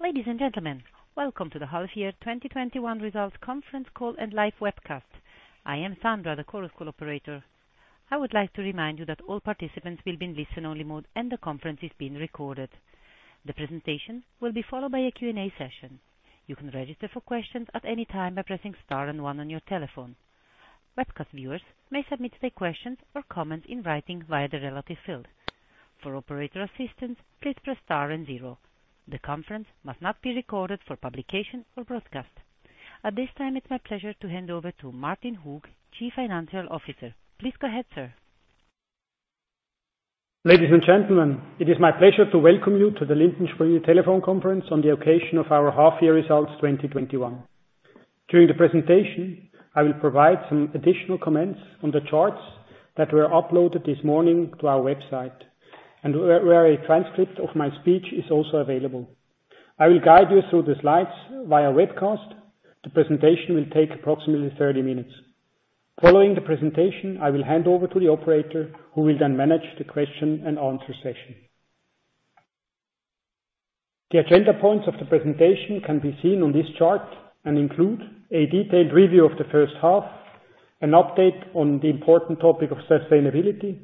Ladies and gentlemen, welcome to the half-year 2021 results conference call and live webcast. I am Sandra, the conference call operator. I would like to remind you that all participants will be in listen-only mode and the conference is being recorded. The presentation will be followed by a Q&A session. You can register for questions at any time by pressing star and one on your telephone. Webcast viewers may submit their questions or comments in writing via the relative field. For operator assistance, please press star and zero. The conference must not be recorded for publication or broadcast. At this time, it's my pleasure to hand over to Martin Hug, Chief Financial Officer. Please go ahead, sir. Ladies and gentlemen, it is my pleasure to welcome you to the Lindt & Sprüngli telephone conference on the occasion of our half-year results 2021. During the presentation, I will provide some additional comments on the charts that were uploaded this morning to our website, and where a transcript of my speech is also available. I will guide you through the slides via webcast. The presentation will take approximately 30 minutes. Following the presentation, I will hand over to the operator, who will then manage the question and answer session. The agenda points of the presentation can be seen on this chart and include a detailed review of the first half, an update on the important topic of sustainability,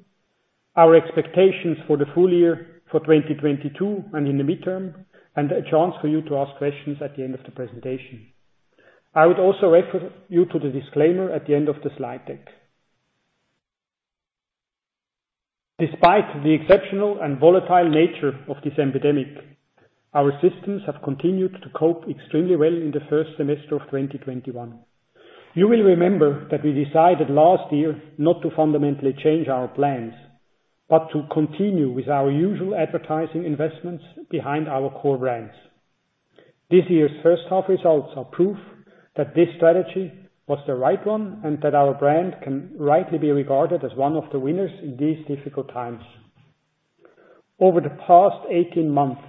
our expectations for the full-year for 2022 and in the midterm, and a chance for you to ask questions at the end of the presentation. I would also refer you to the disclaimer at the end of the slide deck. Despite the exceptional and volatile nature of this epidemic, our systems have continued to cope extremely well in the first semester of 2021. You will remember that we decided last year not to fundamentally change our plans, but to continue with our usual advertising investments behind our core brands. This year's first half results are proof that this strategy was the right one and that our brand can rightly be regarded as one of the winners in these difficult times. Over the past 18 months,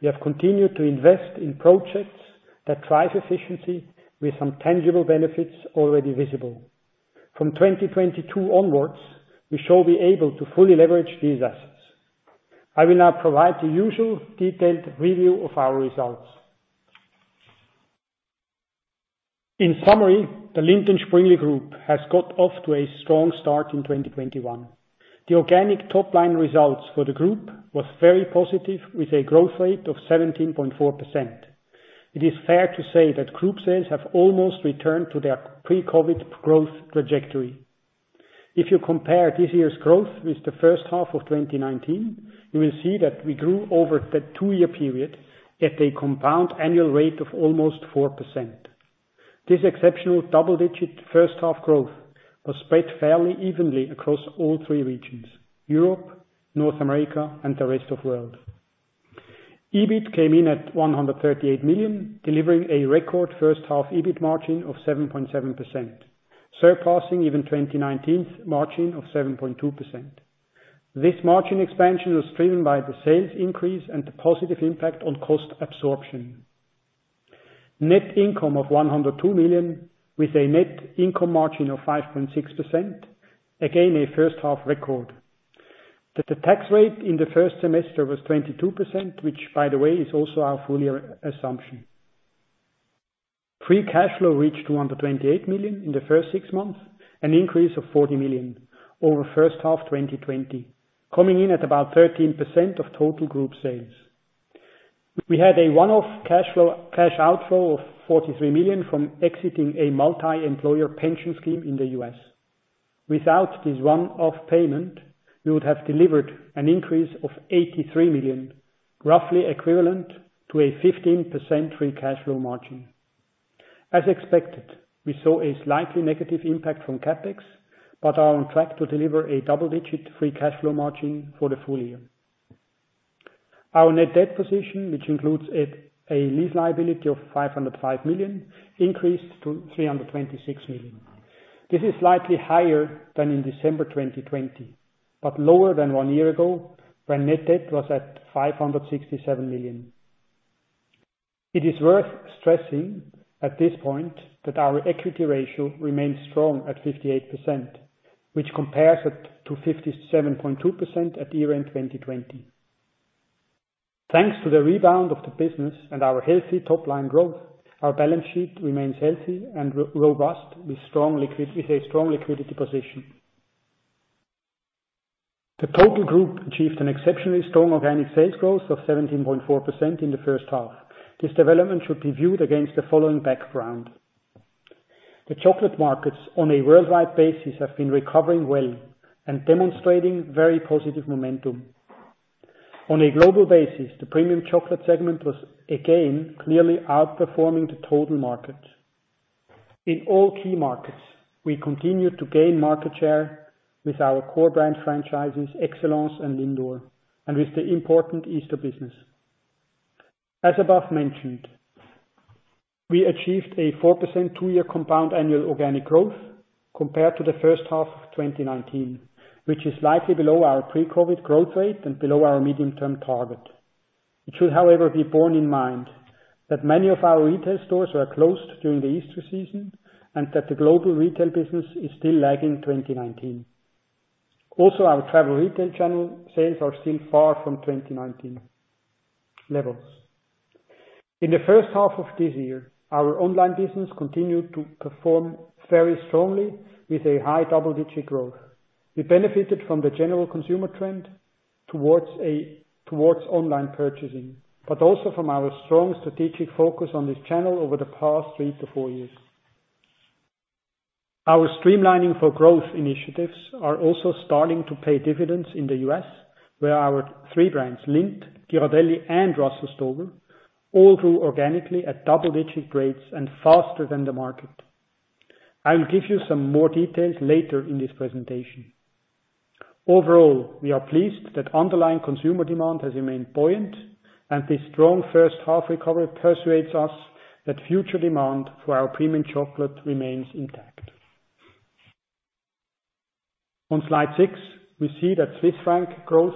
we have continued to invest in projects that drive efficiency with some tangible benefits already visible. From 2022 onwards, we shall be able to fully leverage these assets. I will now provide the usual detailed review of our results. In summary, the Lindt & Sprüngli Group has got off to a strong start in 2021. The organic top-line results for the group was very positive, with a growth rate of 17.4%. It is fair to say that group sales have almost returned to their pre-COVID growth trajectory. If you compare this year's growth with the first half of 2019, you will see that we grew over that two-year period at a compound annual rate of almost 4%. This exceptional double-digit first half growth was spread fairly evenly across all three regions, Europe, North America, and the rest of world. EBIT came in at 138 million, delivering a record first half EBIT margin of 7.7%, surpassing even 2019's margin of 7.2%. This margin expansion was driven by the sales increase and the positive impact on cost absorption. Net income of 102 million with a net income margin of 5.6%, again, a first half record. The tax rate in the first semester was 22%, which by the way, is also our full-year assumption. Free cash flow reached 228 million in the first six months, an increase of 40 million over first half 2020, coming in at about 13% of total group sales. We had a one-off cash outflow of 43 million from exiting a multi-employer pension scheme in the U.S.. Without this one-off payment, we would have delivered an increase of 83 million, roughly equivalent to a 15% free cash flow margin. As expected, we saw a slightly negative impact from CapEx, but are on track to deliver a double-digit free cash flow margin for the full-year. Our net debt position, which includes a lease liability of 505 million, increased to 326 million. This is slightly higher than in December 2020, but lower than one year ago when net debt was at 567 million. It is worth stressing at this point that our equity ratio remains strong at 58%, which compares it to 57.2% at year-end 2020. Thanks to the rebound of the business and our healthy top-line growth, our balance sheet remains healthy and robust with a strong liquidity position. The total group achieved an exceptionally strong organic sales growth of 17.4% in the first half. This development should be viewed against the following background. The chocolate markets on a worldwide basis have been recovering well and demonstrating very positive momentum. On a global basis, the premium chocolate segment was again clearly outperforming the total market. In all key markets, we continued to gain market share with our core brand franchises, Excellence and Lindor, and with the important Easter business. As above mentioned, we achieved a 4% two-year compound annual organic growth compared to the first half of 2019, which is slightly below our pre-COVID growth rate and below our medium-term target. It should, however, be borne in mind that many of our retail stores were closed during the Easter season and that the Global Retail business is still lagging 2019. Our travel retail channel sales are still far from 2019 levels. In the first half of this year, our online business continued to perform very strongly with a high double-digit growth. We benefited from the general consumer trend towards online purchasing, but also from our strong strategic focus on this channel over the past three to four years. Our Streamlining for Growth initiatives are also starting to pay dividends in the U.S., where our three brands, Lindt, Ghirardelli, and Russell Stover, all grew organically at double-digit rates and faster than the market. I will give you some more details later in this presentation. Overall, we are pleased that underlying consumer demand has remained buoyant, and this strong first half recovery persuades us that future demand for our premium chocolate remains intact. On slide six, we see that Swiss franc growth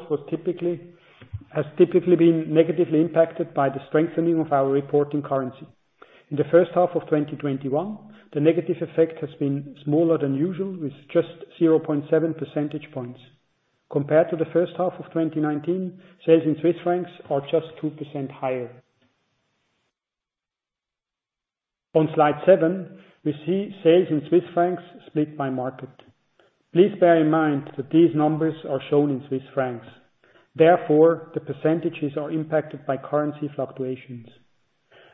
has typically been negatively impacted by the strengthening of our reporting currency. In the first half of 2021, the negative effect has been smaller than usual, with just 0.7 percentage points. Compared to the first half of 2019, sales in Swiss francs are just 2% higher. On slide seven, we see sales in Swiss francs split by market. Please bear in mind that these numbers are shown in Swiss francs. Therefore, the percentages are impacted by currency fluctuations.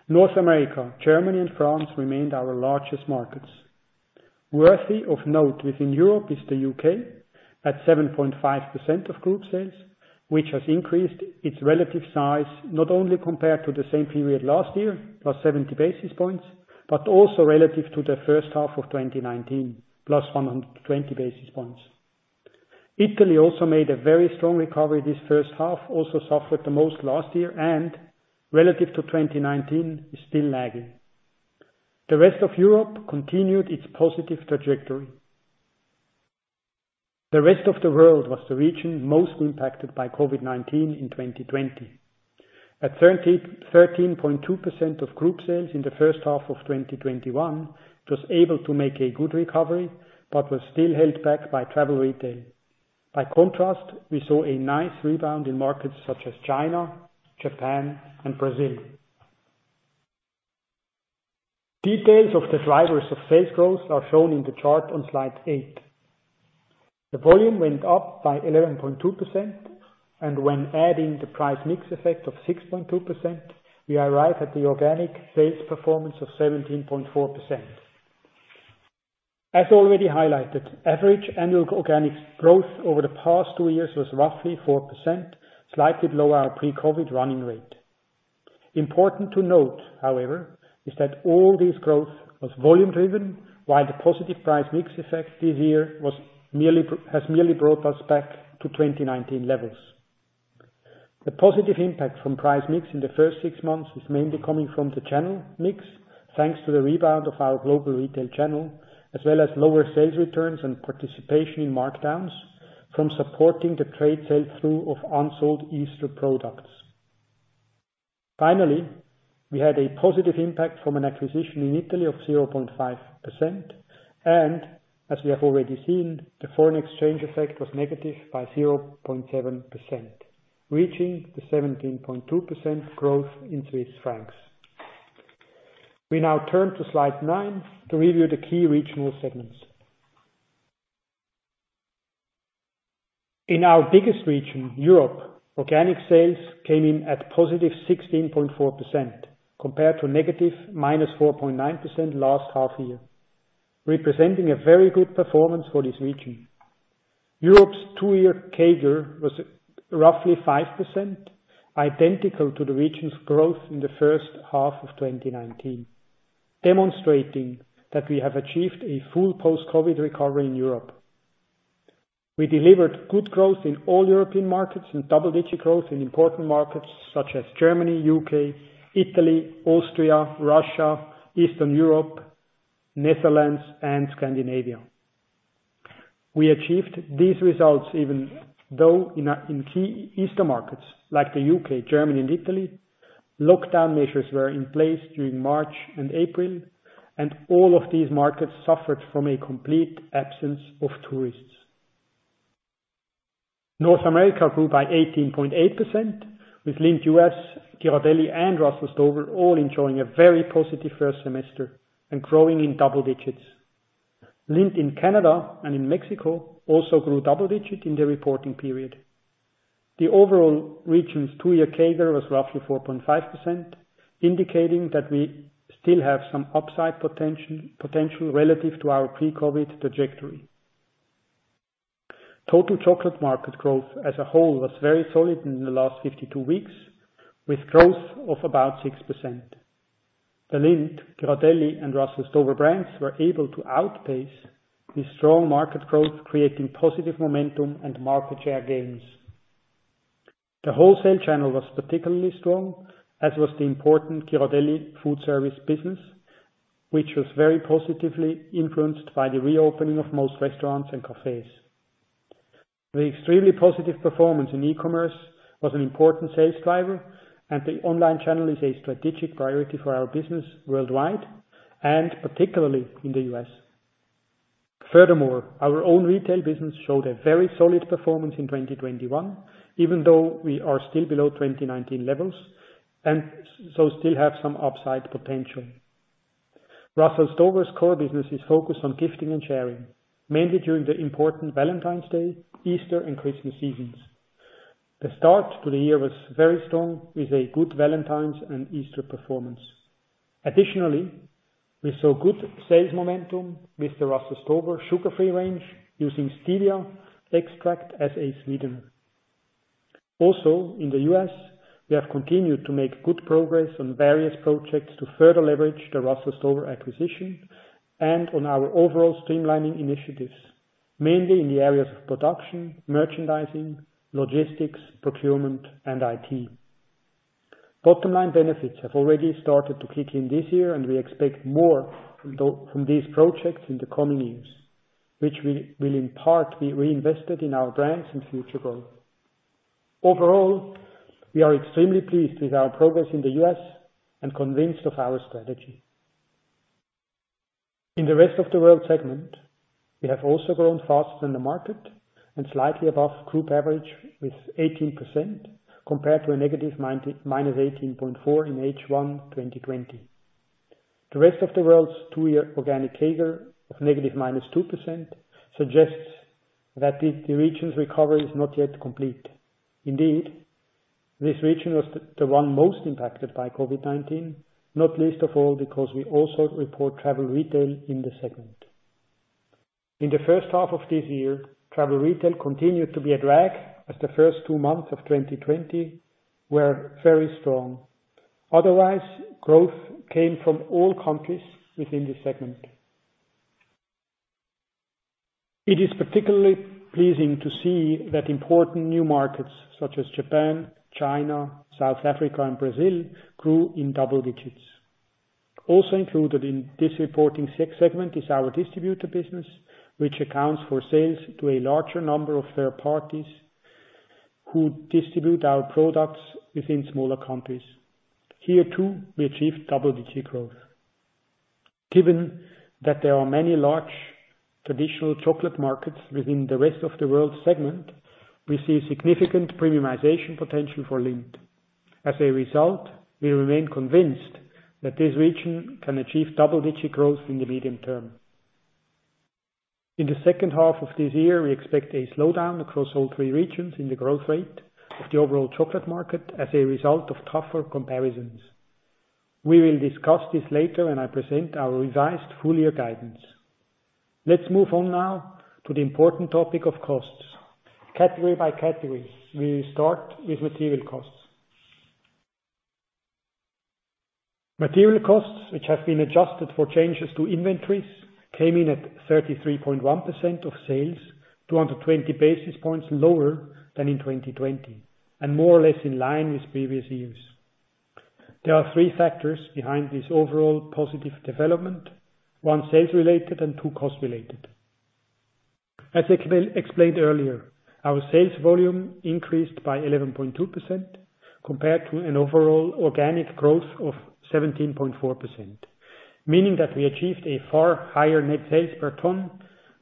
North America, Germany, and France remained our largest markets. Worthy of note within Europe is the U.K., at 7.5% of group sales, which has increased its relative size not only compared to the same period last year, plus 70 basis points, but also relative to the first half of 2019, plus 120 basis points. Italy also made a very strong recovery this first half, also suffered the most last year, and relative to 2019, is still lagging. The rest of Europe continued its positive trajectory. The rest of the world was the region most impacted by COVID-19 in 2020. At 13.2% of group sales in the first half of 2021, it was able to make a good recovery, but was still held back by travel retail. By contrast, we saw a nice rebound in markets such as China, Japan, and Brazil. Details of the drivers of sales growth are shown in the chart on slide eight. The volume went up by 11.2%, and when adding the price mix effect of 6.2%, we arrive at the organic sales performance of 17.4%. As already highlighted, average annual organic growth over the past two years was roughly 4%, slightly below our pre-COVID running rate. Important to note, however, is that all this growth was volume driven, while the positive price mix effect this year has merely brought us back to 2019 levels. The positive impact from price mix in the first six months is mainly coming from the channel mix, thanks to the rebound of our Global Retail channel, as well as lower sales returns and participation in markdowns from supporting the trade sell-through of unsold Easter products. Finally, we had a positive impact from an acquisition in Italy of 0.5%, and as we have already seen, the foreign exchange effect was negative by 0.7%, reaching the 17.2% growth in Swiss francs. We now turn to slide nine to review the key regional segments. In our biggest region, Europe, organic sales came in at positive 16.4%, compared to -4.9% last half-year, representing a very good performance for this region. Europe's two-year CAGR was roughly 5%, identical to the region's growth in the first half of 2019, demonstrating that we have achieved a full post-COVID recovery in Europe. We delivered good growth in all European markets and double-digit growth in important markets such as Germany, U.K., Italy, Austria, Russia, Eastern Europe, Netherlands, and Scandinavia. We achieved these results even though in key Eastern markets, like the U.K., Germany, and Italy, lockdown measures were in place during March and April, and all of these markets suffered from a complete absence of tourists. North America grew by 18.8%, with Lindt U.S., Ghirardelli, and Russell Stover all enjoying a very positive first semester and growing in double digits. Lindt in Canada and in Mexico also grew double digits in the reporting period. The overall region's two-year CAGR was roughly 4.5%, indicating that we still have some upside potential relative to our pre-COVID trajectory. Total chocolate market growth as a whole was very solid in the last 52 weeks, with growth of about 6%. The Lindt, Ghirardelli, and Russell Stover brands were able to outpace this strong market growth, creating positive momentum and market share gains. The wholesale channel was particularly strong, as was the important Ghirardelli food service business, which was very positively influenced by the reopening of most restaurants and cafes. The extremely positive performance in e-commerce was an important sales driver, and the online channel is a strategic priority for our business worldwide, particularly in the U.S.. Furthermore, our own retail business showed a very solid performance in 2021, even though we are still below 2019 levels, and so still have some upside potential. Russell Stover's core business is focused on gifting and sharing, mainly during the important Valentine's Day, Easter, and Christmas seasons. The start to the year was very strong with a good Valentine's and Easter performance. Additionally, we saw good sales momentum with the Russell Stover sugar-free range using stevia extract as a sweetener. In the U.S., we have continued to make good progress on various projects to further leverage the Russell Stover acquisition and on our overall streamlining initiatives, mainly in the areas of production, merchandising, logistics, procurement, and IT. Bottom line benefits have already started to kick in this year, and we expect more from these projects in the coming years, which will in part be reinvested in our brands and future growth. We are extremely pleased with our progress in the U.S. and convinced of our strategy. In the rest of the world segment, we have also grown faster than the market and slightly above group average with 18%, compared to a negative -18.4% in H1 2020. The rest of the world's two-year organic CAGR of negative 2% suggests that the region's recovery is not yet complete. Indeed, this region was the one most impacted by COVID-19, not least of all because we also report travel retail in this segment. In the first half of this year, travel retail continued to be a drag as the first two months of 2020 were very strong. Otherwise, growth came from all countries within this segment. It is particularly pleasing to see that important new markets such as Japan, China, South Africa, and Brazil grew in double digits. Also included in this reporting segment is our distributor business, which accounts for sales to a larger number of third parties who distribute our products within smaller companies. Here, too, we achieved double-digit growth. Given that there are many large traditional chocolate markets within the rest of the world segment, we see significant premiumization potential for Lindt. As a result, we remain convinced that this region can achieve double-digit growth in the medium term. In the second half of this year, we expect a slowdown across all three regions in the growth rate of the overall chocolate market as a result of tougher comparisons. We will discuss this later when I present our revised full-year guidance. Let's move on now to the important topic of costs. Category by category, we will start with material costs. Material costs, which have been adjusted for changes to inventories, came in at 33.1% of sales, 220 basis points lower than in 2020, and more or less in line with previous years. There are three factors behind this overall positive development, one sales related and two cost related. As I explained earlier, our sales volume increased by 11.2% compared to an overall organic growth of 17.4%, meaning that we achieved a far higher net sales per ton,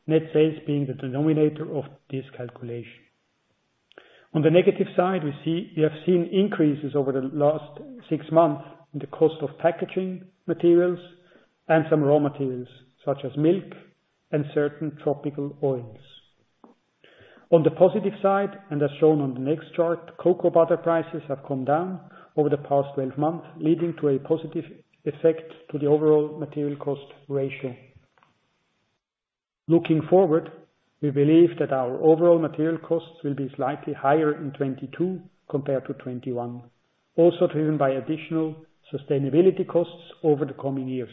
net sales being the denominator of this calculation. On the negative side, we have seen increases over the last six months in the cost of packaging materials and some raw materials, such as milk and certain tropical oils. On the positive side, and as shown on the next chart, cocoa butter prices have come down over the past 12 months, leading to a positive effect to the overall material cost ratio. Looking forward, we believe that our overall material costs will be slightly higher in 2022 compared to 2021, also driven by additional sustainability costs over the coming years.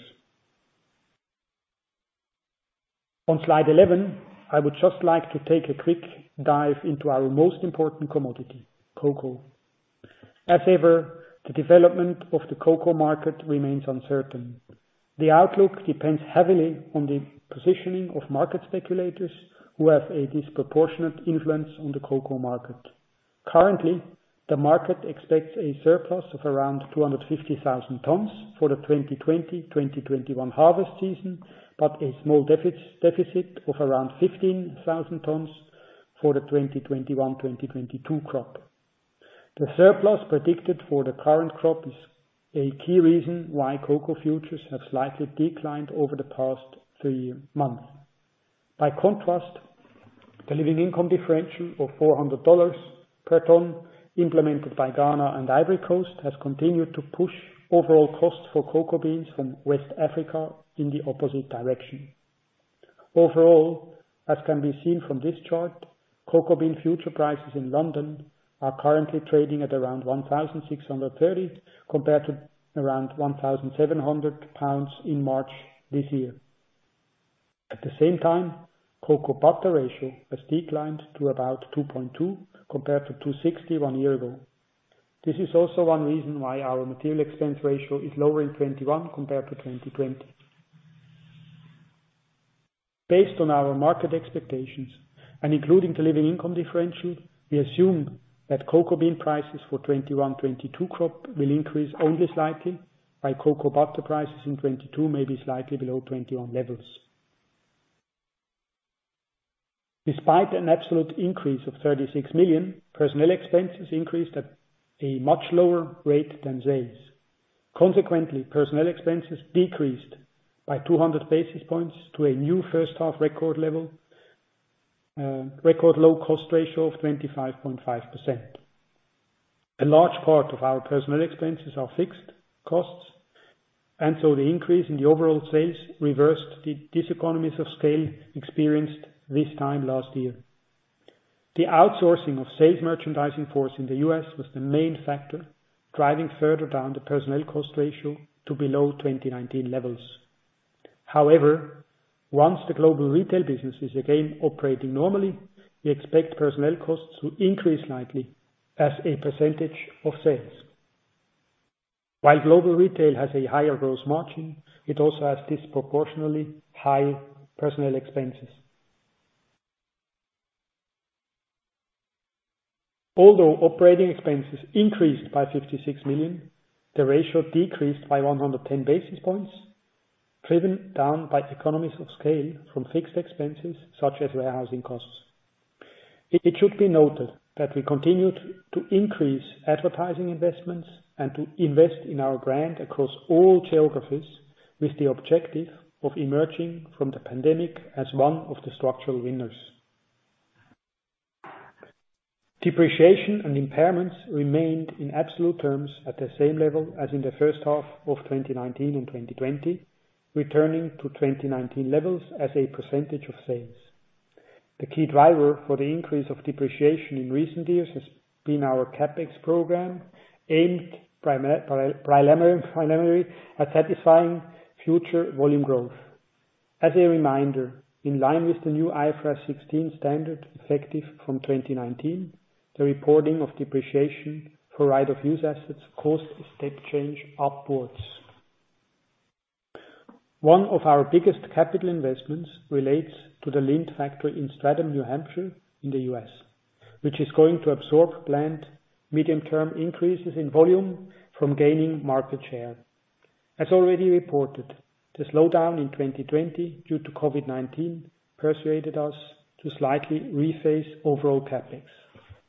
On slide 11, I would just like to take a quick dive into our most important commodity, cocoa. As ever, the development of the cocoa market remains uncertain. The outlook depends heavily on the positioning of market speculators who have a disproportionate influence on the cocoa market. Currently, the market expects a surplus of around 250,000 tons for the 2020-2021 harvest season, but a small deficit of around 15,000 tons for the 2021-2022 crop. The surplus predicted for the current crop is a key reason why cocoa futures have slightly declined over the past three months. By contrast, the Living Income Differential of $400 per ton implemented by Ghana and Ivory Coast has continued to push overall costs for cocoa beans from West Africa in the opposite direction. Overall, as can be seen from this chart, cocoa bean future prices in London are currently trading at around 1,630 compared to around 1,700 pounds in March this year. At the same time, cocoa butter ratio has declined to about 2.2 compared to 260 one year ago. This is also one reason why our material expense ratio is lower in 2021 compared to 2020. Based on our market expectations and including the Living Income Differential, we assume that cocoa bean prices for 2021, 2022 crop will increase only slightly by cocoa butter prices in 2022 may be slightly below 2021 levels. Despite an absolute increase of 36 million, personnel expenses increased at a much lower rate than sales. Consequently, personnel expenses decreased by 200 basis points to a new first half record low cost ratio of 25.5%. A large part of our personnel expenses are fixed costs. The increase in the overall sales reversed the diseconomies of scale experienced this time last year. The outsourcing of sales merchandising force in the U.S. was the main factor driving further down the personnel cost ratio to below 2019 levels. Once the Global Retail business is again operating normally, we expect personnel costs to increase likely as a percentage of sales. Global Retail has a higher gross margin, it also has disproportionally high personnel expenses. Operating expenses increased by 56 million, the ratio decreased by 110 basis points, driven down by economies of scale from fixed expenses such as warehousing costs. It should be noted that we continued to increase advertising investments and to invest in our brand across all geographies with the objective of emerging from the pandemic as one of the structural winners. Depreciation and impairments remained in absolute terms at the same level as in the first half of 2019 and 2020, returning to 2019 levels as a percentage of sales. The key driver for the increase of depreciation in recent years has been our CapEx program, aimed primarily at satisfying future volume growth. As a reminder, in line with the new IFRS 16 standard effective from 2019, the reporting of depreciation for right of use assets caused a step change upwards. One of our biggest capital investments relates to the Lindt factory in Stratham, New Hampshire in the U.S., which is going to absorb planned medium-term increases in volume from gaining market share. As already reported, the slowdown in 2020 due to COVID-19 persuaded us to slightly rephase overall CapEx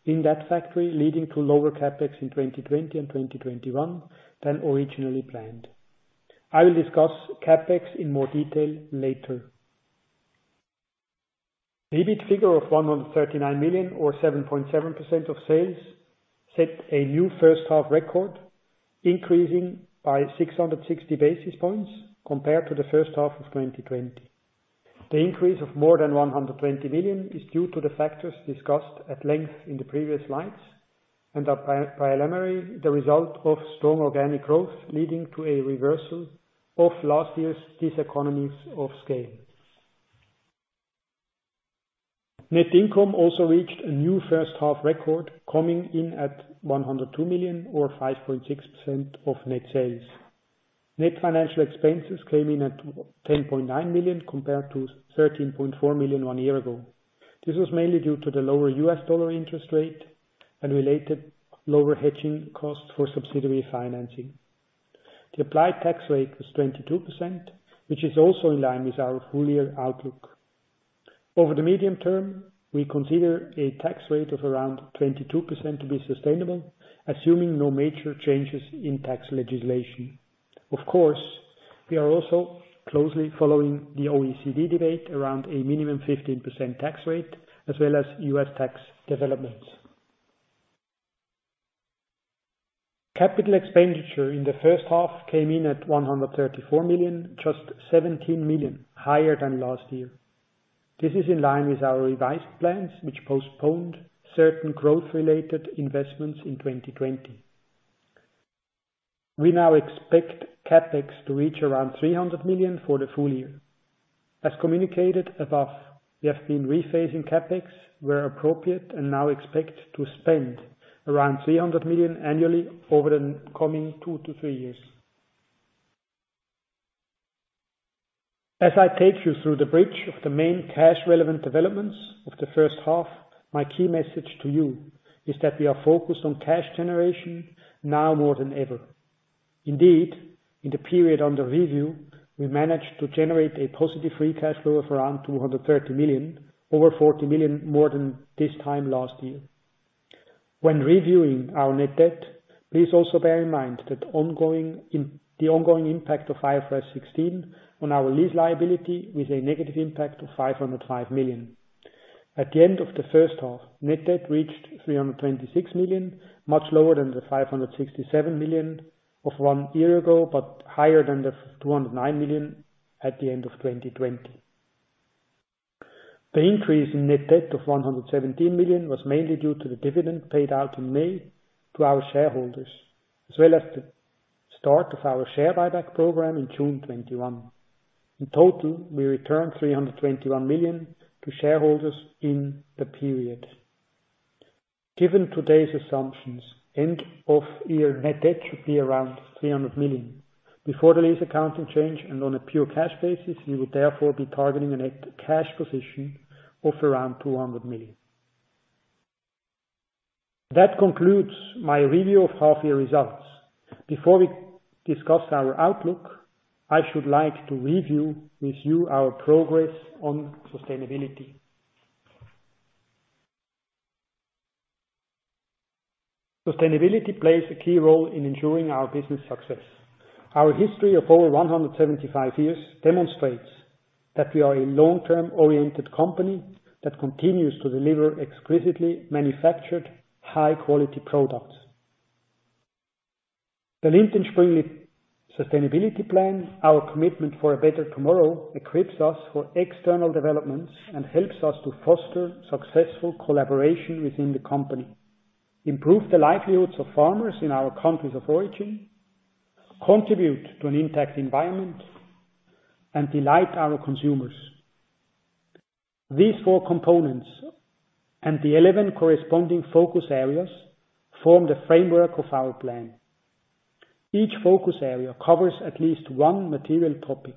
in that factory, leading to lower CapEx in 2020 and 2021 than originally planned. I will discuss CapEx in more detail later. The EBIT figure of 139 million, or 7.7% of sales, set a new first half record, increasing by 660 basis points compared to the first half of 2020. The increase of more than 120 million is due to the factors discussed at length in the previous slides and are primarily the result of strong organic growth, leading to a reversal of last year's diseconomies of scale. Net income also reached a new first half record, coming in at 102 million or 5.6% of net sales. Net financial expenses came in at 10.9 million compared to 13.4 million one year ago. This was mainly due to the lower U.S. dollar interest rate and related lower hedging costs for subsidiary financing. The applied tax rate was 22%, which is also in line with our full-year outlook. Over the medium term, we consider a tax rate of around 22% to be sustainable, assuming no major changes in tax legislation. We are also closely following the OECD debate around a minimum 15% tax rate, as well as U.S. tax developments. Capital expenditure in the first half came in at 134 million, just 17 million higher than last year. This is in line with our revised plans, which postponed certain growth-related investments in 2020. We now expect CapEx to reach around 300 million for the full-year. As communicated above, we have been rephasing CapEx where appropriate and now expect to spend around 300 million annually over the coming two to three years. As I take you through the bridge of the main cash relevant developments of the first half, my key message to you is that we are focused on cash generation now more than ever. Indeed, in the period under review, we managed to generate a positive free cash flow of around 230 million, over 40 million more than this time last year. When reviewing our net debt, please also bear in mind that the ongoing impact of IFRS 16 on our lease liability with a negative impact of 505 million. At the end of the first half, net debt reached 326 million, much lower than the 567 million of one year ago, higher than the 209 million at the end of 2020. The increase in net debt of 117 million was mainly due to the dividend paid out in May to our shareholders, as well as the start of our share buyback program in June 2021. In total, we returned 321 million to shareholders in the period. Given today's assumptions, end of year net debt should be around 300 million. Before the lease accounting change and on a pure cash basis, we would therefore be targeting a net cash position of around 200 million. That concludes my review of half-year results. Before we discuss our outlook, I should like to review with you our progress on sustainability. Sustainability plays a key role in ensuring our business success. Our history of over 175 years demonstrates that we are a long-term oriented company that continues to deliver exquisitely manufactured high-quality products. The Lindt & Sprüngli sustainability plan, our commitment for a better tomorrow, equips us for external developments and helps us to foster successful collaboration within the company, improve the livelihoods of farmers in our countries of origin, contribute to an intact environment, and delight our consumers. These four components and the 11 corresponding focus areas form the framework of our plan. Each focus area covers at least one material topic,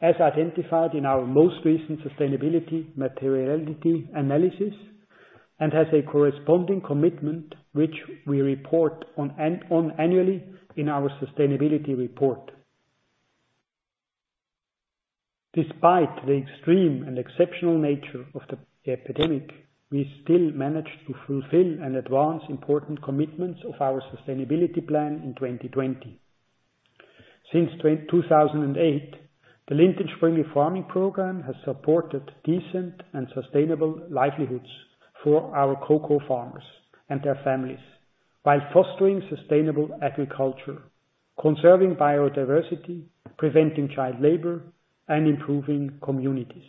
as identified in our most recent sustainability materiality analysis, and has a corresponding commitment which we report on annually in our sustainability report. Despite the extreme and exceptional nature of the epidemic, we still managed to fulfill and advance important commitments of our sustainability plan in 2020. Since 2008, the Lindt & Sprüngli Farming Program has supported decent and sustainable livelihoods for our cocoa farmers and their families while fostering sustainable agriculture, conserving biodiversity, preventing child labor, and improving communities.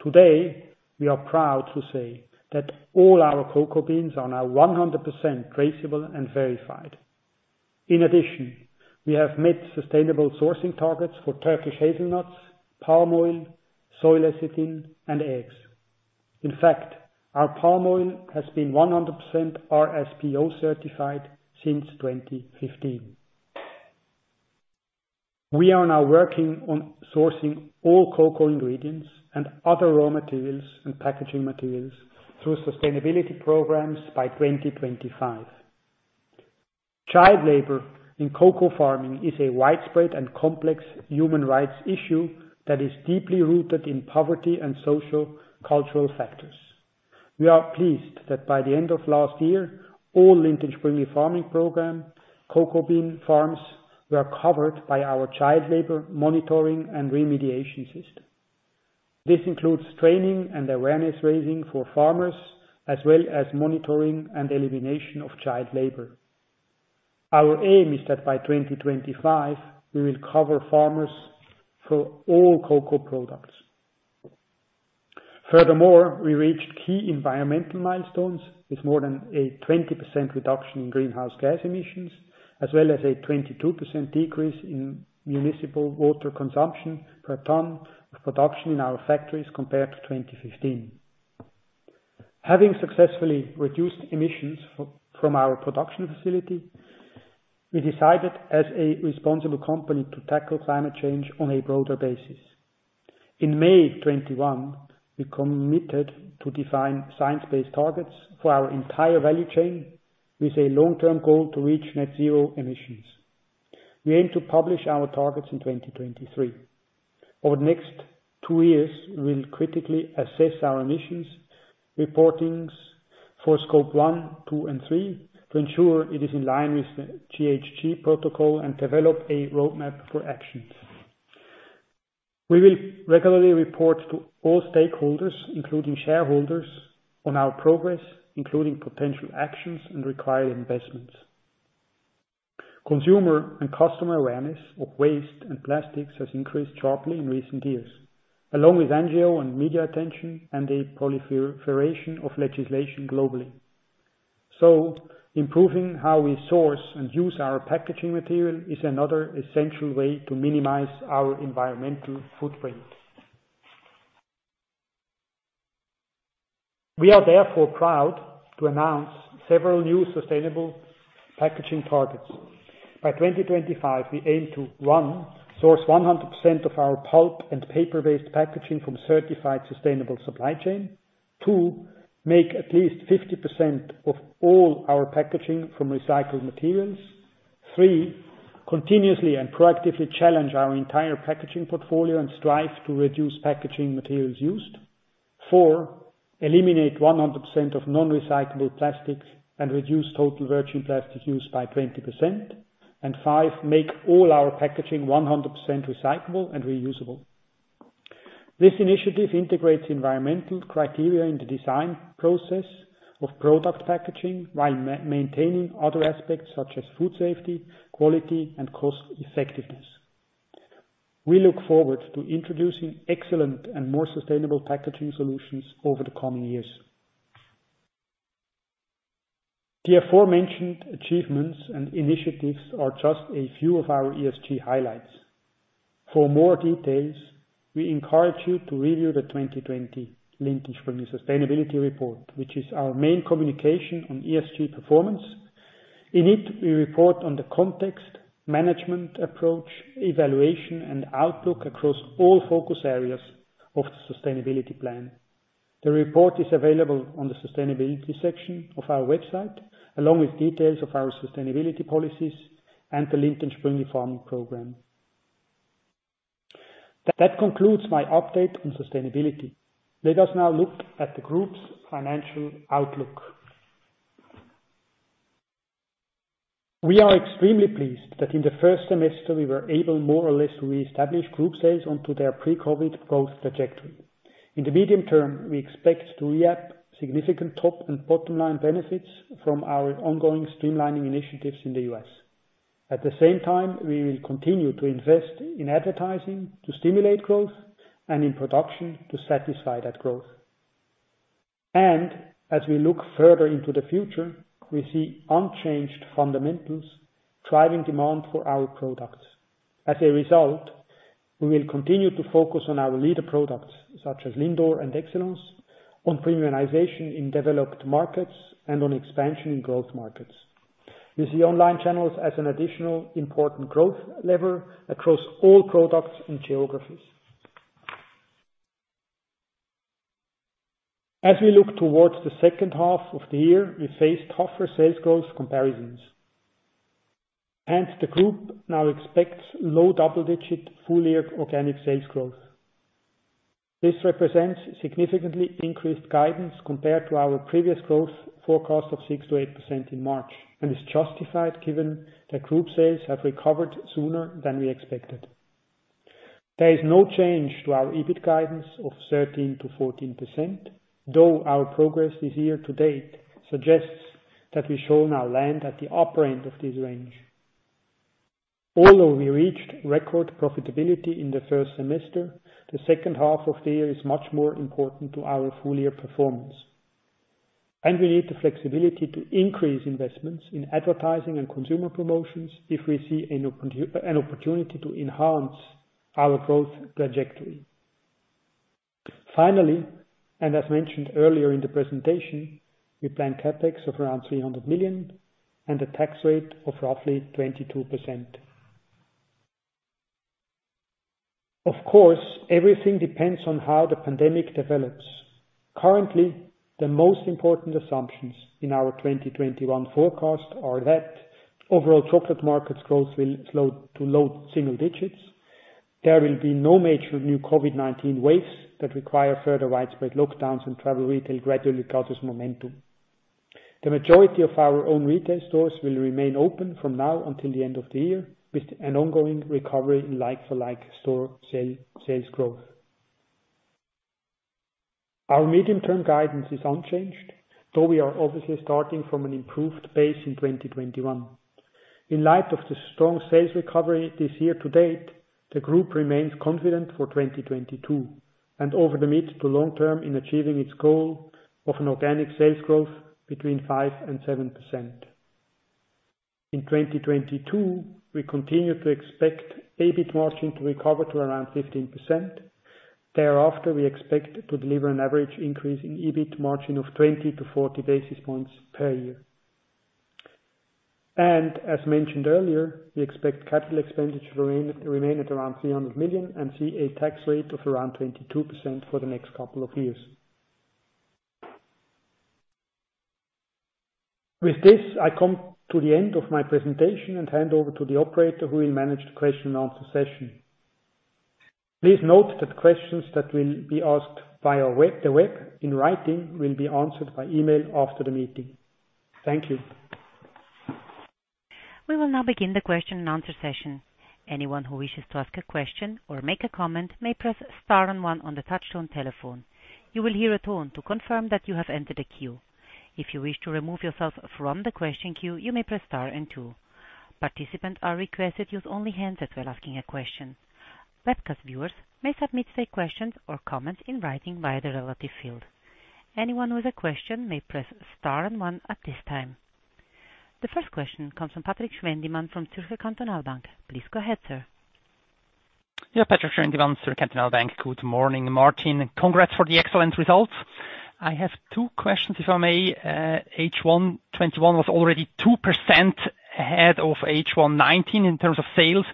Today, we are proud to say that all our cocoa beans are now 100% traceable and verified. In addition, we have met sustainable sourcing targets for Turkish hazelnuts, palm oil, soy lecithin, and eggs. In fact, our palm oil has been 100% RSPO certified since 2015. We are now working on sourcing all cocoa ingredients and other raw materials and packaging materials through sustainability programs by 2025. Child labor in cocoa farming is a widespread and complex human rights issue that is deeply rooted in poverty and social cultural factors. We are pleased that by the end of last year, all Lindt & Sprüngli Farming Program cocoa bean farms were covered by our child labor monitoring and remediation system. This includes training and awareness raising for farmers, as well as monitoring and elimination of child labor. Our aim is that by 2025, we will cover farmers for all cocoa products. Furthermore, we reached key environmental milestones with more than a 20% reduction in greenhouse gas emissions, as well as a 22% decrease in municipal water consumption per ton of production in our factories compared to 2015. Having successfully reduced emissions from our production facility, we decided as a responsible company to tackle climate change on a broader basis. In May 2021, we committed to define science-based targets for our entire value chain with a long-term goal to reach net zero emissions. We aim to publish our targets in 2023. Over the next two years, we will critically assess our emissions reportings for Scope 1, 2, and 3 to ensure it is in line with the GHG Protocol and develop a roadmap for actions. We will regularly report to all stakeholders, including shareholders, on our progress, including potential actions and required investments. Consumer and customer awareness of waste and plastics has increased sharply in recent years, along with NGO and media attention and a proliferation of legislation globally. Improving how we source and use our packaging material is another essential way to minimize our environmental footprint. We are therefore proud to announce several new sustainable packaging targets. By 2025, we aim to, one, source 100% of our pulp and paper-based packaging from certified sustainable supply chain. Two, make at least 50% of all our packaging from recycled materials. Three, continuously and proactively challenge our entire packaging portfolio and strive to reduce packaging materials used. Four, eliminate 100% of non-recyclable plastics and reduce total virgin plastic use by 20%. Five, make all our packaging 100% recyclable and reusable. This initiative integrates environmental criteria in the design process of product packaging while maintaining other aspects such as food safety, quality, and cost effectiveness. We look forward to introducing excellent and more sustainable packaging solutions over the coming years. The aforementioned achievements and initiatives are just a few of our ESG highlights. For more details, we encourage you to review the 2020 Lindt & Sprüngli Sustainability Report, which is our main communication on ESG performance. In it, we report on the context, management approach, evaluation, and outlook across all focus areas of the sustainability plan. The report is available on the sustainability section of our website, along with details of our sustainability policies and the Lindt & Sprüngli Farming Program. That concludes my update on sustainability. Let us now look at the group's financial outlook. We are extremely pleased that in the first semester we were able more or less to reestablish group sales onto their pre-COVID growth trajectory. In the medium term, we expect to reap significant top and bottom-line benefits from our ongoing streamlining initiatives in the U.S. At the same time, we will continue to invest in advertising to stimulate growth and in production to satisfy that growth. As we look further into the future, we see unchanged fundamentals driving demand for our products. As a result, we will continue to focus on our leader products, such as Lindor and Excellence, on premiumization in developed markets, and on expansion in growth markets. We see online channels as an additional important growth lever across all products and geographies. As we look towards the second half of the year, we face tougher sales growth comparisons. The group now expects low double-digit full-year organic sales growth. This represents significantly increased guidance compared to our previous growth forecast of 6%-8% in March, and is justified given that group sales have recovered sooner than we expected. There is no change to our EBIT guidance of 13%-14%, though our progress this year-to-date suggests that we shall now land at the upper end of this range. Although we reached record profitability in the first semester, the second half of the year is much more important to our full-year performance, and we need the flexibility to increase investments in advertising and consumer promotions if we see an opportunity to enhance our growth trajectory. Finally, as mentioned earlier in the presentation, we plan CapEx of around 300 million and a tax rate of roughly 22%. Of course, everything depends on how the pandemic develops. Currently, the most important assumptions in our 2021 forecast are that overall chocolate markets growth will slow to low single digits. There will be no major new COVID-19 waves that require further widespread lockdowns and travel retail gradually gathers momentum. The majority of our own retail stores will remain open from now until the end of the year, with an ongoing recovery in like-for-like store sales growth. Our medium-term guidance is unchanged, though we are obviously starting from an improved base in 2021. In light of the strong sales recovery this year-to-date, the group remains confident for 2022 and over the mid- to long-term in achieving its goal of an organic sales growth between 5% and 7%. In 2022, we continue to expect EBIT margin to recover to around 15%. Thereafter, we expect to deliver an average increase in EBIT margin of 20-40 basis points per year. As mentioned earlier, we expect capital expenditure to remain at around 300 million and see a tax rate of around 22% for the next couple of years. With this, I come to the end of my presentation and hand over to the operator who will manage the question and answer session. Please note that questions that will be asked via the web in writing will be answered by email after the meeting. Thank you. The first question comes from Patrik Schwendimann from Zürcher Kantonalbank. Please go ahead, sir. Patrik Schwendimann, Zürcher Kantonalbank. Good morning, Martin, and congrats for the excellent results. I have two questions, if I may. H1 2021 was already 2% ahead of H1 2019 in terms of sales.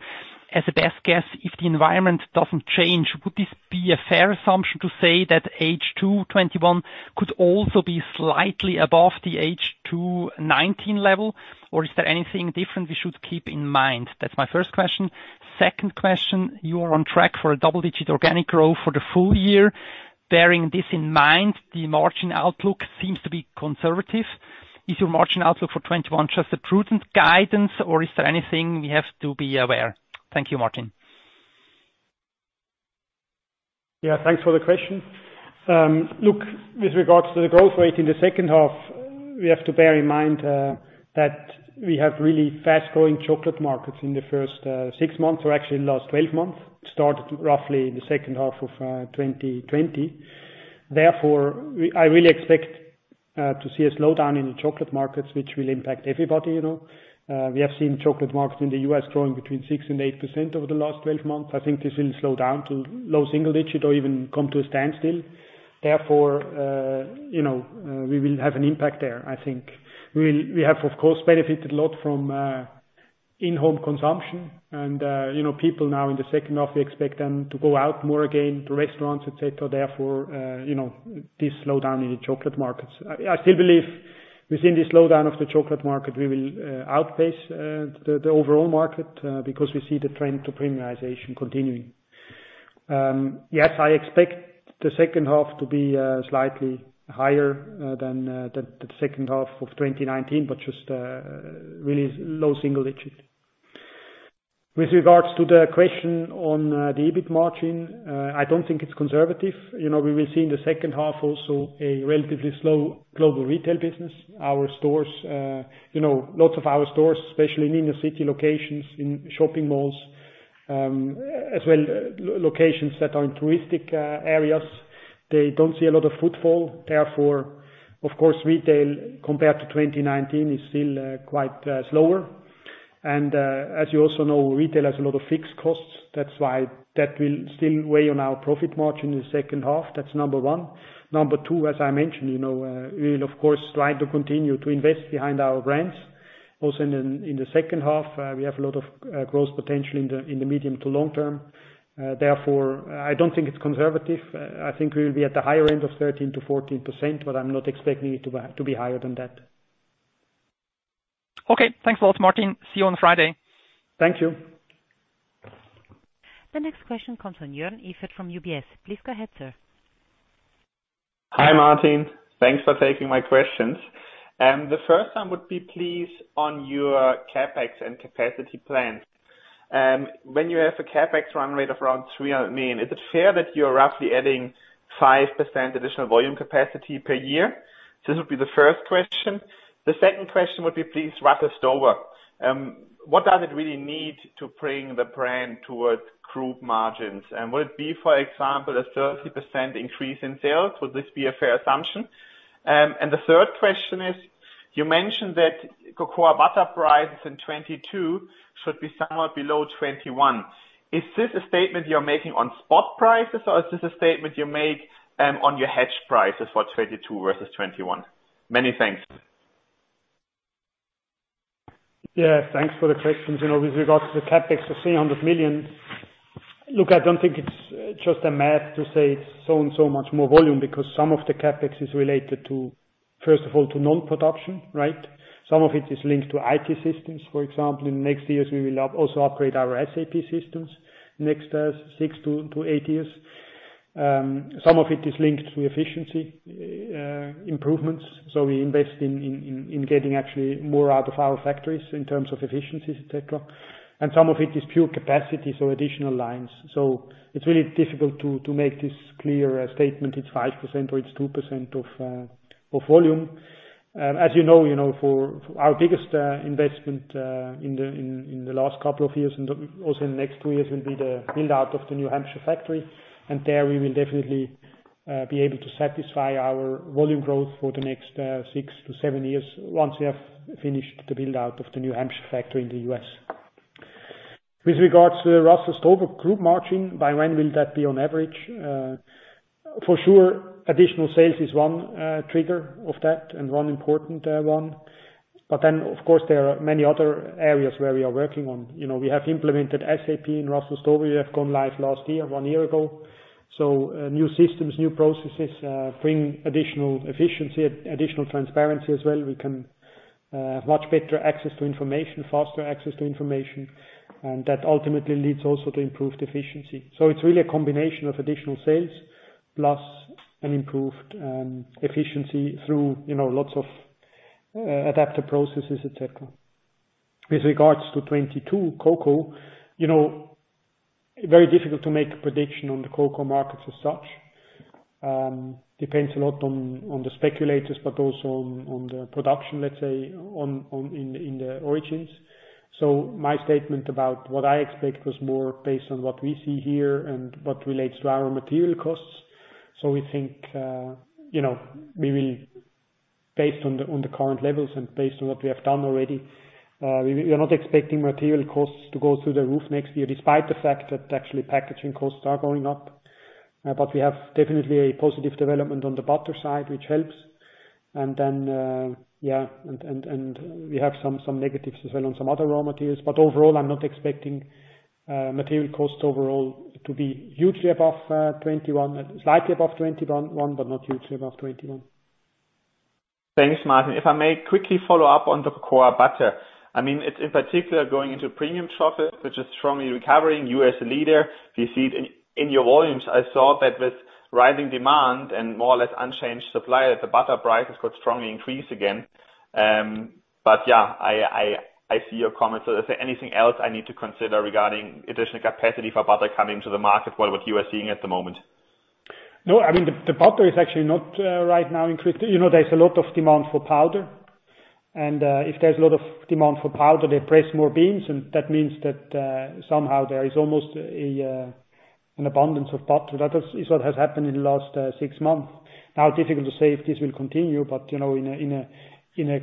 As a best guess, if the environment doesn't change, would this be a fair assumption to say that H2 2021 could also be slightly above the H2 2019 level? Is there anything different we should keep in mind? That's my first question. Second question, you are on track for a double-digit organic growth for the full-year. Bearing this in mind, the margin outlook seems to be conservative. Is your margin outlook for 2021 just a prudent guidance, is there anything we have to be aware? Thank you, Martin. Yeah, thanks for the question. Look, with regards to the growth rate in the second half, we have to bear in mind that we have really fast-growing chocolate markets in the first six months, or actually the last 12 months, started roughly in the second half of 2020. I really expect to see a slowdown in the chocolate markets, which will impact everybody. We have seen chocolate markets in the U.S. growing between 6%-8% over the last 12 months. I think this will slow down to low single-digit or even come to a standstill. We will have an impact there, I think. We have, of course, benefited a lot from in-home consumption and, people now in the second half, we expect them to go out more again to restaurants, et cetera, therefore, this slowdown in the chocolate markets. I still believe within this slowdown of the chocolate market, we will outpace the overall market because we see the trend to premiumization continuing. Yes, I expect the second half to be slightly higher than the second half of 2019, but just really low single digits. With regards to the question on the EBIT margin, I don't think it's conservative. We will see in the second half also a relatively slow Global Retail business. Lots of our stores, especially in inner city locations, in shopping malls, as well locations that are in touristic areas, they don't see a lot of footfall. Of course, retail, compared to 2019, is still quite slower. As you also know, retail has a lot of fixed costs. That's why that will still weigh on our profit margin in the second half. That's number one. Number two, as I mentioned, we will, of course, try to continue to invest behind our brands. Also in the second half, we have a lot of growth potential in the medium to long term. Therefore, I don't think it's conservative. I think we'll be at the higher end of 13%-14%, but I'm not expecting it to be higher than that. Okay. Thanks a lot, Martin. See you on Friday. Thank you. The next question comes from Joern Iffert from UBS. Please go ahead, sir. Hi, Martin. Thanks for taking my questions. The first one would be please on your CapEx and capacity plans. When you have a CapEx run rate of around 300 million, is it fair that you're roughly adding 5% additional volume capacity per year? This would be the first question. The second question would be please, Russell Stover. What does it really need to bring the brand towards group margins? Would it be, for example, a 30% increase in sales? Would this be a fair assumption? The third question is, you mentioned that cocoa butter prices in 2022 should be somewhat below 2021. Is this a statement you're making on spot prices, or is this a statement you make on your hedge prices for 2022 versus 2021? Many thanks. Yeah. Thanks for the questions. With regards to the CapEx of 300 million, look, I don't think it's just a math to say it's so and so much more volume, because some of the CapEx is related to, first of all, to non-production, right? Some of it is linked to IT systems. In the next years, we will also upgrade our SAP systems next six to eight years. Some of it is linked to efficiency improvements. We invest in getting actually more out of our factories in terms of efficiencies, et cetera. Some of it is pure capacity, so additional lines. It's really difficult to make this clear statement, it's 5% or it's 2% of volume. As you know, for our biggest investment in the last couple of years and also in the next two years will be the build-out of the New Hampshire factory. There we will definitely be able to satisfy our volume growth for the next six to seven years once we have finished the build-out of the New Hampshire factory in the U.S. With regards to Russell Stover group margin, by when will that be on average? For sure, additional sales is one trigger of that and one important one. Of course, there are many other areas where we are working on. We have implemented SAP in Russell Stover. We have gone live last year, one year ago. New systems, new processes bring additional efficiency, additional transparency as well. We can have much better access to information, faster access to information, and that ultimately leads also to improved efficiency. It's really a combination of additional sales plus an improved efficiency through lots of adapted processes, et cetera. With regards to 2022 cocoa, very difficult to make a prediction on the cocoa markets as such. Depends a lot on the speculators, also on the production, let's say, in the origins. My statement about what I expect was more based on what we see here and what relates to our material costs. We think based on the current levels and based on what we have done already, we are not expecting material costs to go through the roof next year, despite the fact that actually packaging costs are going up. We have definitely a positive development on the butter side, which helps. We have some negatives as well on some other raw materials. Overall, I'm not expecting material cost overall to be hugely above 2021. Slightly above 2021, not hugely above 2021. Thanks, Martin. If I may quickly follow up on the cocoa butter. In particular going into premium chocolate, which is strongly recovering, you as a leader, you see it in your volumes. I saw that with rising demand and more or less unchanged supply that the butter prices could strongly increase again. Yeah, I see your comment. Is there anything else I need to consider regarding additional capacity for butter coming to the market with what you are seeing at the moment? No, the butter is actually not right now increased. There's a lot of demand for powder, and if there's a lot of demand for powder, they press more beans, and that means that somehow there is almost an abundance of butter. That is what has happened in the last six months. Now difficult to say if this will continue, but in a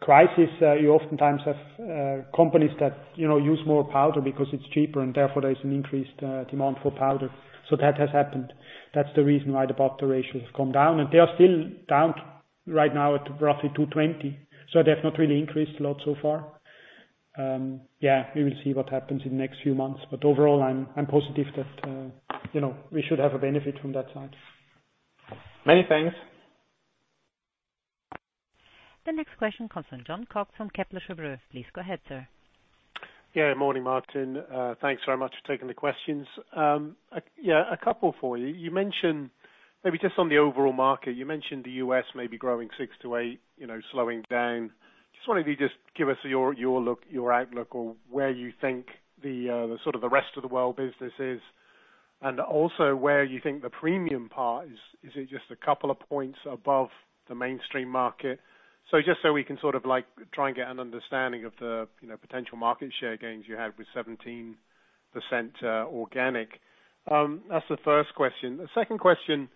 crisis, you oftentimes have companies that use more powder because it's cheaper, and therefore there is an increased demand for powder. So that has happened. That's the reason why the butter ratios have come down, and they are still down right now at roughly 220, so they have not really increased a lot so far. We will see what happens in the next few months, but overall I'm positive that we should have a benefit from that side. Many thanks. The next question comes from Jon Cox from Kepler Cheuvreux. Please go ahead, sir. Morning, Martin. Thanks very much for taking the questions. A couple for you. Maybe just on the overall market, you mentioned the U.S. maybe growing 6%-8%, slowing down. Just wondering if you just give us your outlook or where you think the rest of the world business is, and also where you think the premium part is. Is it just a couple of points above the mainstream market? Just so we can try and get an understanding of the potential market share gains you have with 17% organic. That's the first question. The second question,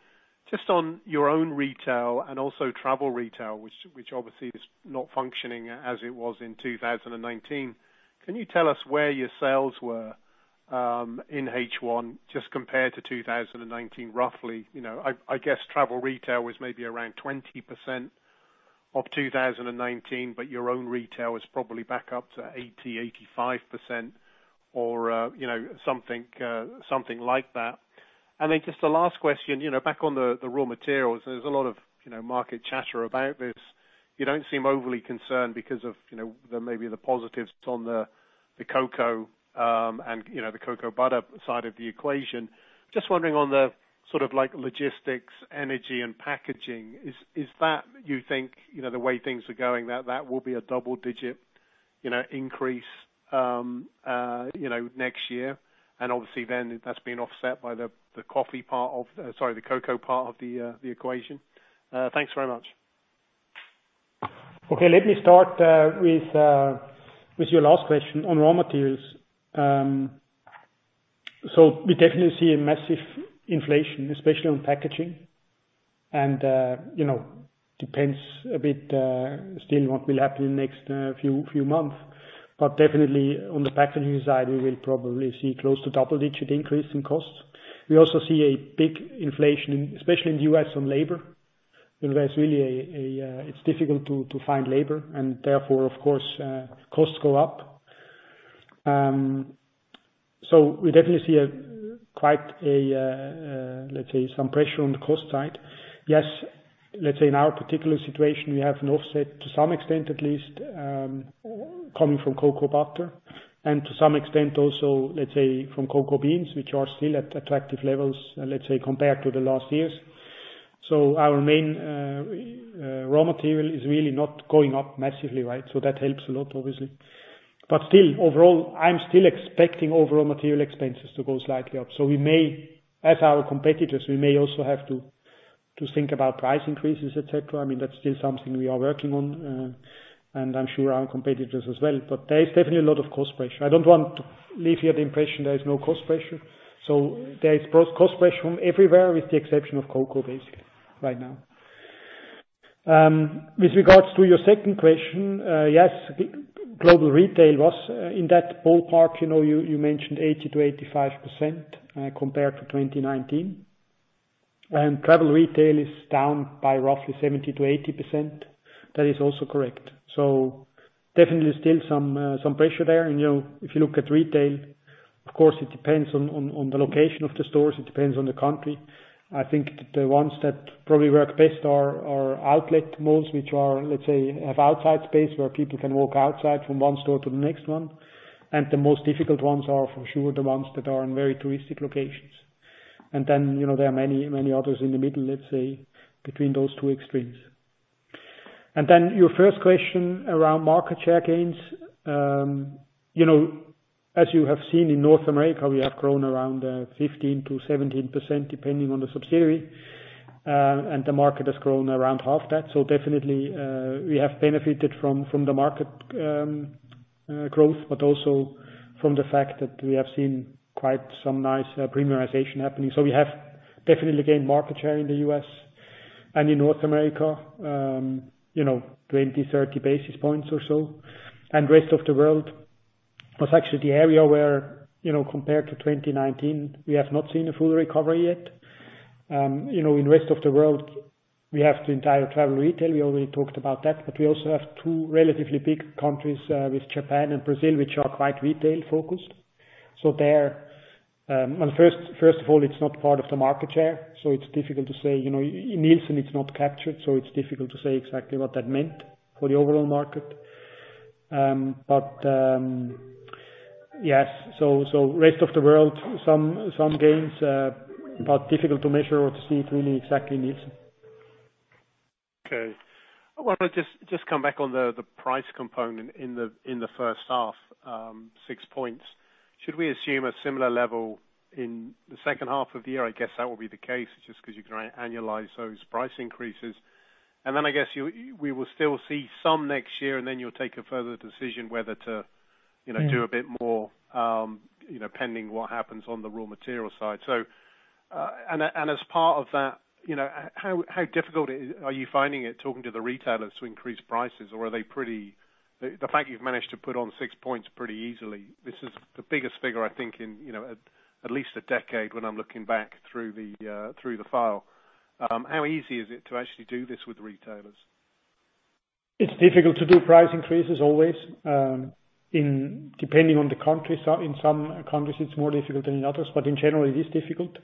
just on your own retail and also travel retail, which obviously is not functioning as it was in 2019. Can you tell us where your sales were, in H1 just compared to 2019, roughly? I guess travel retail was maybe around 20% of 2019, but your own retail was probably back up to 80%-85% or something like that. Just the last question, back on the raw materials, there's a lot of market chatter about this. You don't seem overly concerned because of maybe the positives on the cocoa and the cocoa butter side of the equation. Just wondering on the logistics, energy, and packaging, is that you think, the way things are going, that that will be a double-digit increase next year? That's being offset by the cocoa part of the equation. Thanks very much. Okay. Let me start with your last question on raw materials. We definitely see a massive inflation, especially on packaging and depends a bit still what will happen in the next few months, but definitely on the packaging side, we will probably see close to double-digit increase in costs. We also see a big inflation, especially in the U.S., on labor, where it's difficult to find labor and therefore, of course, costs go up. We definitely see, let's say, some pressure on the cost side. Yes. Let's say in our particular situation, we have an offset to some extent at least, coming from cocoa butter and to some extent also, let's say, from cocoa beans, which are still at attractive levels, let's say, compared to the last years. Our main raw material is really not going up massively, right? That helps a lot, obviously. Still, overall, I'm still expecting overall material expenses to go slightly up. As our competitors, we may also have to think about price increases, et cetera. That's still something we are working on, and I'm sure our competitors as well. There is definitely a lot of cost pressure. I don't want to leave you the impression there is no cost pressure. There is cost pressure everywhere with the exception of cocoa, basically right now. With regards to your second question, yes, Global Retail was in that ballpark, you mentioned 80%-85%, compared to 2019. Travel retail is down by roughly 70%-80%. That is also correct. Definitely still some pressure there. If you look at retail, of course, it depends on the location of the stores, it depends on the country. I think the ones that probably work best are outlet malls, which let's say, have outside space where people can walk outside from one store to the next one. The most difficult ones are for sure the ones that are in very touristic locations. Then, there are many others in the middle, let's say, between those two extremes. Then your first question around market share gains. As you have seen in North America, we have grown around 15%-17%, depending on the subsidiary, and the market has grown around half that. Definitely, we have benefited from the market growth, but also from the fact that we have seen quite some nice premiumization happening. We have definitely gained market share in the U.S. and in North America, 20-30 basis points or so. Rest of the world was actually the area where compared to 2019, we have not seen a full recovery yet. In rest of the world, we have the entire travel retail, we already talked about that, but we also have two relatively big countries, with Japan and Brazil, which are quite retail-focused. First of all, it's not part of the market share, so it's difficult to say. In Nielsen it's not captured, so it's difficult to say exactly what that meant for the overall market. Yes. Rest of the world, some gains, but difficult to measure or to see it really exactly in Nielsen. I'll just come back on the price component in the first half, six points. Should we assume a similar level in the second half of the year? I guess that will be the case, just because you annualize those price increases. Then I guess we will still see some next year, and then you'll take a further decision whether to do a bit more, pending what happens on the raw material side. As part of that, how difficult are you finding it talking to the retailers to increase prices, or are they pretty? The fact you've managed to put on six points pretty easily, this is the biggest figure, I think, in at least a decade when I'm looking back through the file. How easy is it to actually do this with retailers? It's difficult to do price increases, always. Depending on the country, in some countries it's more difficult than in others, but in general, it is difficult.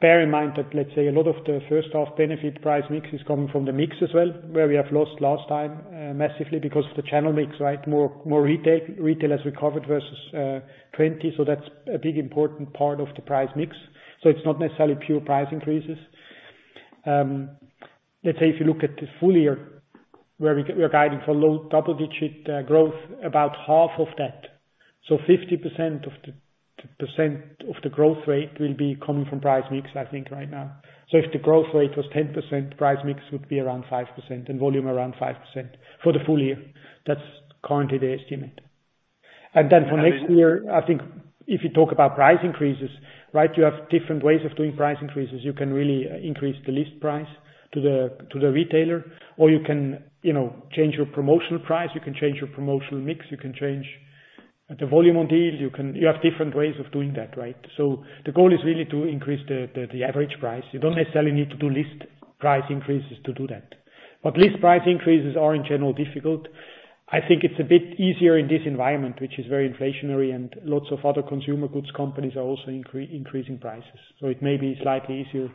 Bear in mind that, let's say, a lot of the first half benefit price mix is coming from the mix as well, where we have lost last time massively because of the channel mix, right? More retailers recovered versus 2020. That's a big, important part of the price mix. It's not necessarily pure price increases. Let's say if you look at the full-year, where we are guiding for low double-digit growth, about half of that, so 50% of the growth rate will be coming from price mix, I think, right now. If the growth rate was 10%, price mix would be around 5% and volume around 5% for the full-year. That's currently the estimate. For next year, I think if you talk about price increases, you have different ways of doing price increases. You can really increase the list price to the retailer, or you can change your promotional price. You can change your promotional mix. You can change the volume on deal. You have different ways of doing that, right? The goal is really to increase the average price. You don't necessarily need to do list price increases to do that. List price increases are in general difficult. I think it's a bit easier in this environment, which is very inflationary and lots of other consumer goods companies are also increasing prices. It may be slightly easier.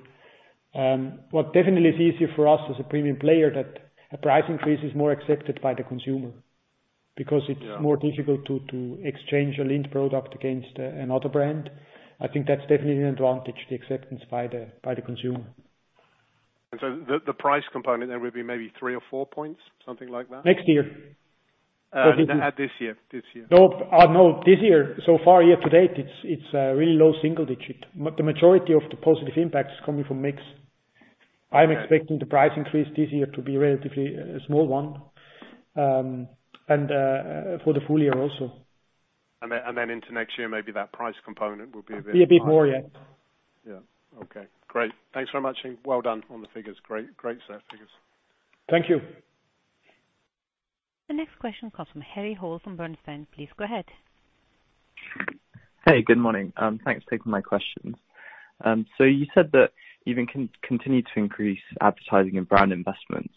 What definitely is easier for us as a premium player that a price increase is more accepted by the consumer because it's more difficult to exchange a Lindt product against another brand. I think that's definitely an advantage, the acceptance by the consumer. The price component there will be maybe three or four points, something like that? Next year. This year. No. This year, so far, year-to-date, it is really low single digit. The majority of the positive impact is coming from mix. I am expecting the price increase this year to be a relatively small one, and for the full-year also. Into next year, maybe that price component will be- Be a bit more, yes. Yeah. Okay. Great. Thanks very much, and well done on the figures. Great set of figures. Thank you. The next question comes from Harry Hall from Bernstein. Please go ahead. Hey, good morning. Thanks for taking my questions. You said that you can continue to increase advertising and brand investments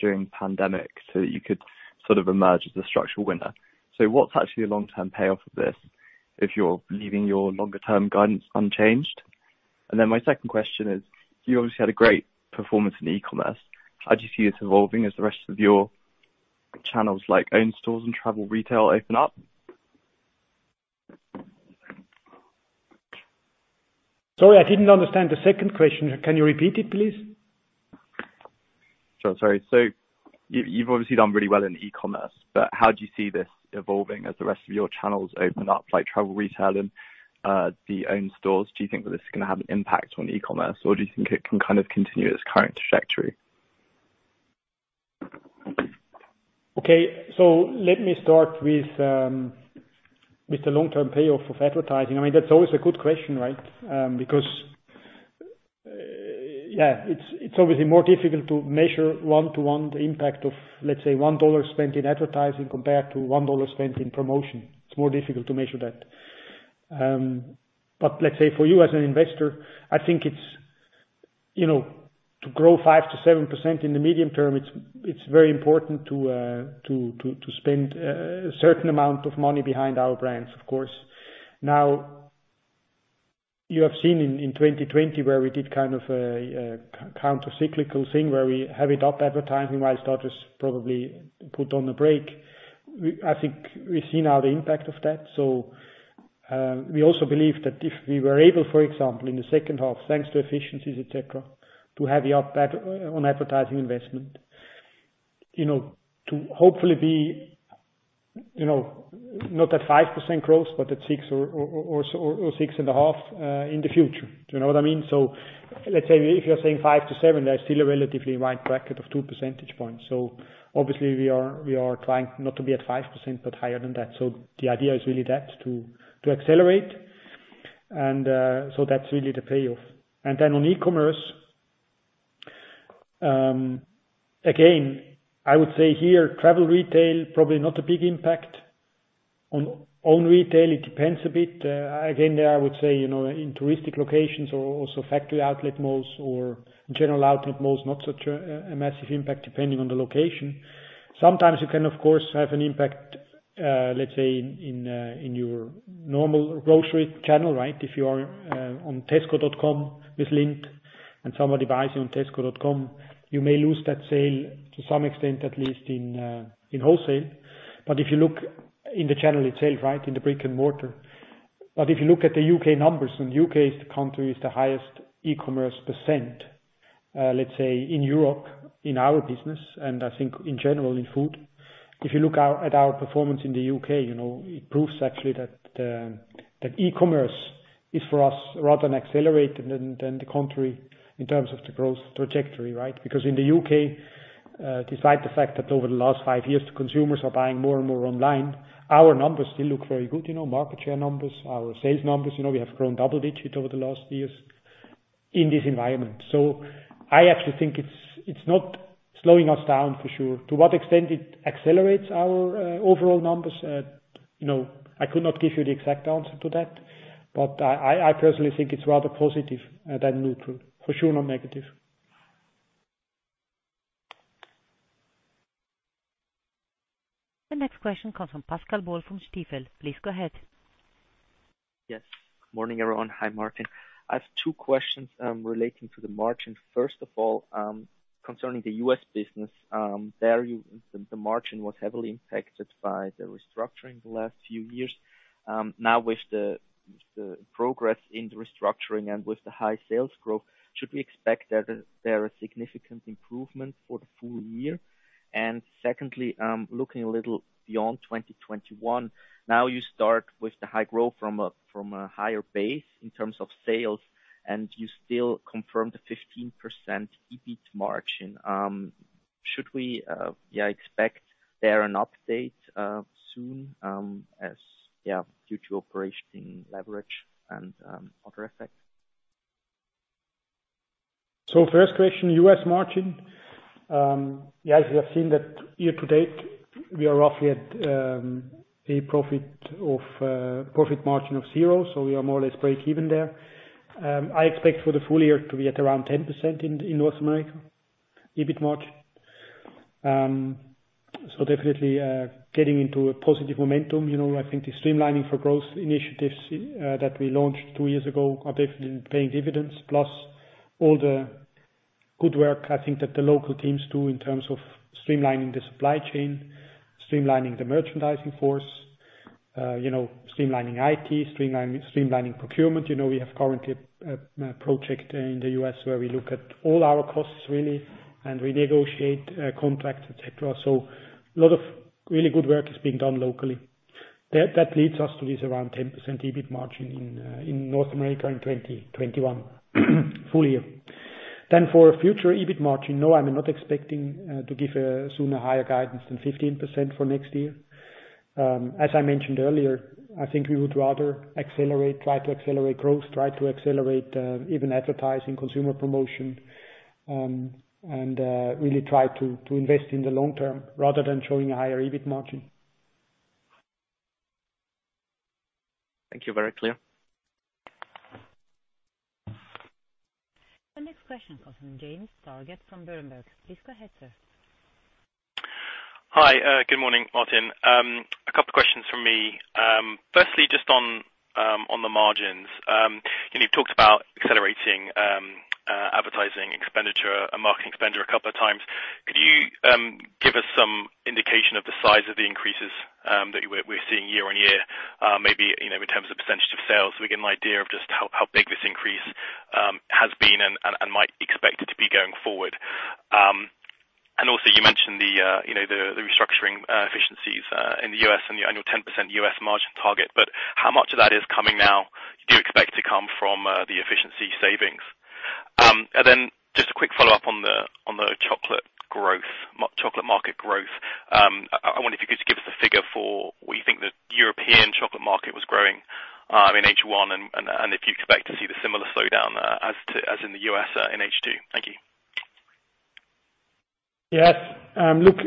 during pandemic so that you could sort of emerge as a structural winner. What's actually the long-term payoff of this if you're leaving your longer term guidance unchanged? My second question is, you obviously had a great performance in e-commerce. How do you see this evolving as the rest of your channels, like own stores and travel retail open up? Sorry, I didn't understand the second question. Can you repeat it, please? Sure. Sorry. You've obviously done really well in e-commerce, but how do you see this evolving as the rest of your channels open up, like travel retail and the own stores? Do you think that this is going to have an impact on e-commerce, or do you think it can continue its current trajectory? Okay. Let me start with the long-term payoff of advertising. That's always a good question, right? Because it's obviously more difficult to measure one to one the impact of, let's say, CHF 1 spent in advertising compared to CHF 1 spent in promotion. It's more difficult to measure that. Let's say for you as an investor, I think to grow 5%-7% in the medium term, it's very important to spend a certain amount of money behind our brands, of course. You have seen in 2020 where we did kind of a counter-cyclical thing where we heavy up advertising whilst others probably put on a break. I think we've seen now the impact of that. We also believe that if we were able, for example, in the second half, thanks to efficiencies, et cetera, to heavy up on advertising investment, to hopefully be not at 5% growth, but at 6% or 6.5% in the future. Do you know what I mean? Let's say if you're saying 5%-7%, there's still a relatively wide bracket of 2 percentage points. Obviously we are trying not to be at 5%, but higher than that. The idea is really that, to accelerate. That's really the payoff. Then on e-commerce, again, I would say here, travel retail, probably not a big impact. On own retail, it depends a bit. Again, there I would say in touristic locations or also factory outlet malls or general outlet malls, not such a massive impact depending on the location. Sometimes you can, of course, have an impact, let's say, in your normal grocery channel, right? If you are on Tesco.com with Lindt and somebody buys you on Tesco.com, you may lose that sale to some extent, at least in wholesale. If you look at the U.K. numbers, and U.K. is the country with the highest e-commerce percent, let's say, in Europe, in our business, and I think in general in food. If you look at our performance in the U.K., it proves actually that e-commerce is, for us, rather an accelerator than the contrary in terms of the growth trajectory, right? In the U.K., despite the fact that over the last five years, the consumers are buying more and more online, our numbers still look very good. Market share numbers, our sales numbers, we have grown double-digit over the last years in this environment. I actually think it's not slowing us down for sure. To what extent it accelerates our overall numbers? I could not give you the exact answer to that. I personally think it's rather positive than neutral, for sure not negative. The next question comes from Pascal Boll from Stifel. Please go ahead. Yes. Morning, everyone. Hi, Martin. I have two questions relating to the margin. First of all, concerning the U.S. business, there the margin was heavily impacted by the restructuring the last few years. Now with the progress in the restructuring and with the high sales growth, should we expect that there are significant improvements for the full-year? Secondly, looking a little beyond 2021, now you start with the high growth from a higher base in terms of sales, you still confirm the 15% EBIT margin. Should we expect there an update soon due to operational leverage and other effects? First question, U.S. margin. Yes, we have seen that year-to-date, we are roughly at a profit margin of zero, we are more or less break even there. I expect for the full-year to be at around 10% in North America, EBIT margin. Definitely getting into a positive momentum. I think the Streamlining for Growth initiatives that we launched two years ago are definitely paying dividends. Plus all the good work I think that the local teams do in terms of streamlining the supply chain, streamlining the merchandising force, streamlining IT, streamlining procurement. We have currently a project in the U.S. where we look at all our costs really and renegotiate contracts, et cetera. A lot of really good work is being done locally. That leads us to this around 10% EBIT margin in North America in 2021 full-year. For future EBIT margin, no, I'm not expecting to give a sooner higher guidance than 15% for next year. As I mentioned earlier, I think we would rather accelerate, try to accelerate growth, try to accelerate even advertising, consumer promotion, and really try to invest in the long term rather than showing a higher EBIT margin. Thank you. Very clear. The next question comes from James Targett from Berenberg. Please go ahead, sir. Hi. Good morning, Martin. A couple questions from me. Firstly, just on the margins. You've talked about accelerating advertising expenditure and marketing expenditure a couple of times. Could you give us some indication of the size of the increases that we're seeing year on year? Maybe in terms of percentage of sales, so we get an idea of just how big this increase has been and might expect it to be going forward. Also you mentioned the restructuring efficiencies in the U.S. and your 10% U.S. margin target. How much of that is coming now do you expect to come from the efficiency savings? Just a quick follow-up on the chocolate market growth. I wonder if you could give us a figure for what you think the European chocolate market was growing in H1 and if you expect to see the similar slowdown as in the U.S. in H2. Thank you. Yes. Look,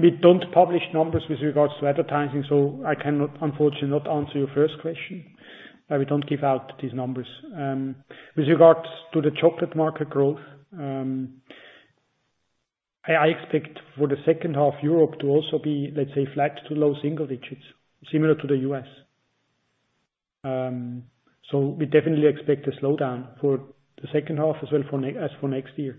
we don't publish numbers with regards to advertising, so I cannot, unfortunately, not answer your first question. We don't give out these numbers. With regards to the chocolate market growth, I expect for the second half Europe to also be, let's say, flat to low single digits, similar to the U.S.. We definitely expect a slowdown for the second half as well as for next year.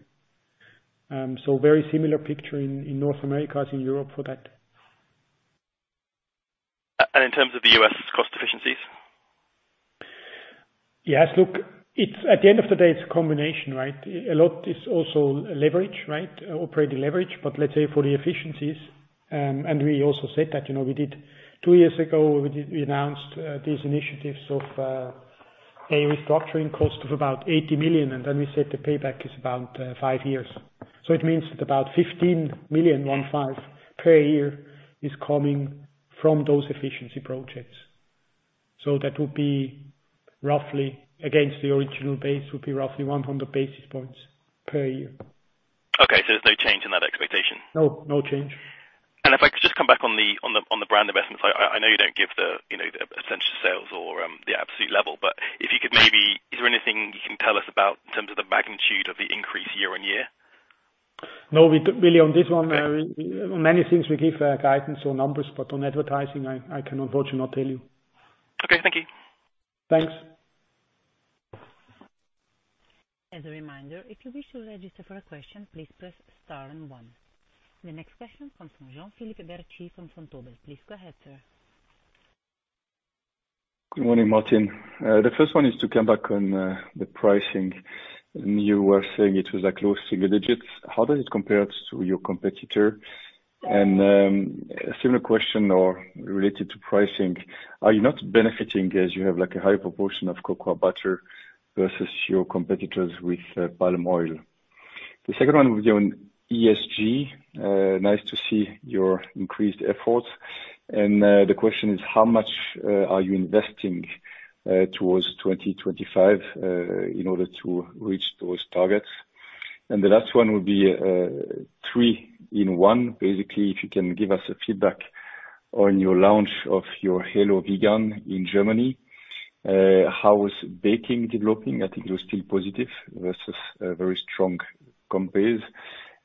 Very similar picture in North America as in Europe for that. In terms of the U.S. cost efficiencies? Yes. Look, at the end of the day, it's a combination, right? A lot is also leverage, right? Operating leverage. Let's say for the efficiencies, and we also said that we did two years ago, we announced these initiatives of a restructuring cost of about 80 million, and then we said the payback is about five years. It means that about 15 million per year is coming from those efficiency projects. That will be roughly against the original base, will be roughly 100 basis points per year. Okay, there's no change in that expectation? No. No change. If I could just come back on the brand investments. I know you don't give the percentage of sales or the absolute level, but if you could maybe, is there anything you can tell us about in terms of the magnitude of the increase year-on-year? No. Really on this one, on many things we give guidance or numbers, but on advertising, I cannot unfortunately tell you. Okay. Thank you. Thanks. As a reminder, if you wish to register for a question, please press star one. The next question comes from Jean-Philippe Bertschy from Vontobel. Please go ahead, sir. Good morning, Martin. The first one is to come back on the pricing. You were saying it was close to single digits. How does it compare to your competitor? A similar question or related to pricing, are you not benefiting as you have a high proportion of cocoa butter versus your competitors with palm oil? The second one will be on ESG. Nice to see your increased efforts. The question is how much are you investing towards 2025 in order to reach those targets? The last one will be three in one. Basically, if you can give us a feedback on your launch of your HELLO Vegan in Germany. How is baking developing? I think you're still positive versus very strong compares.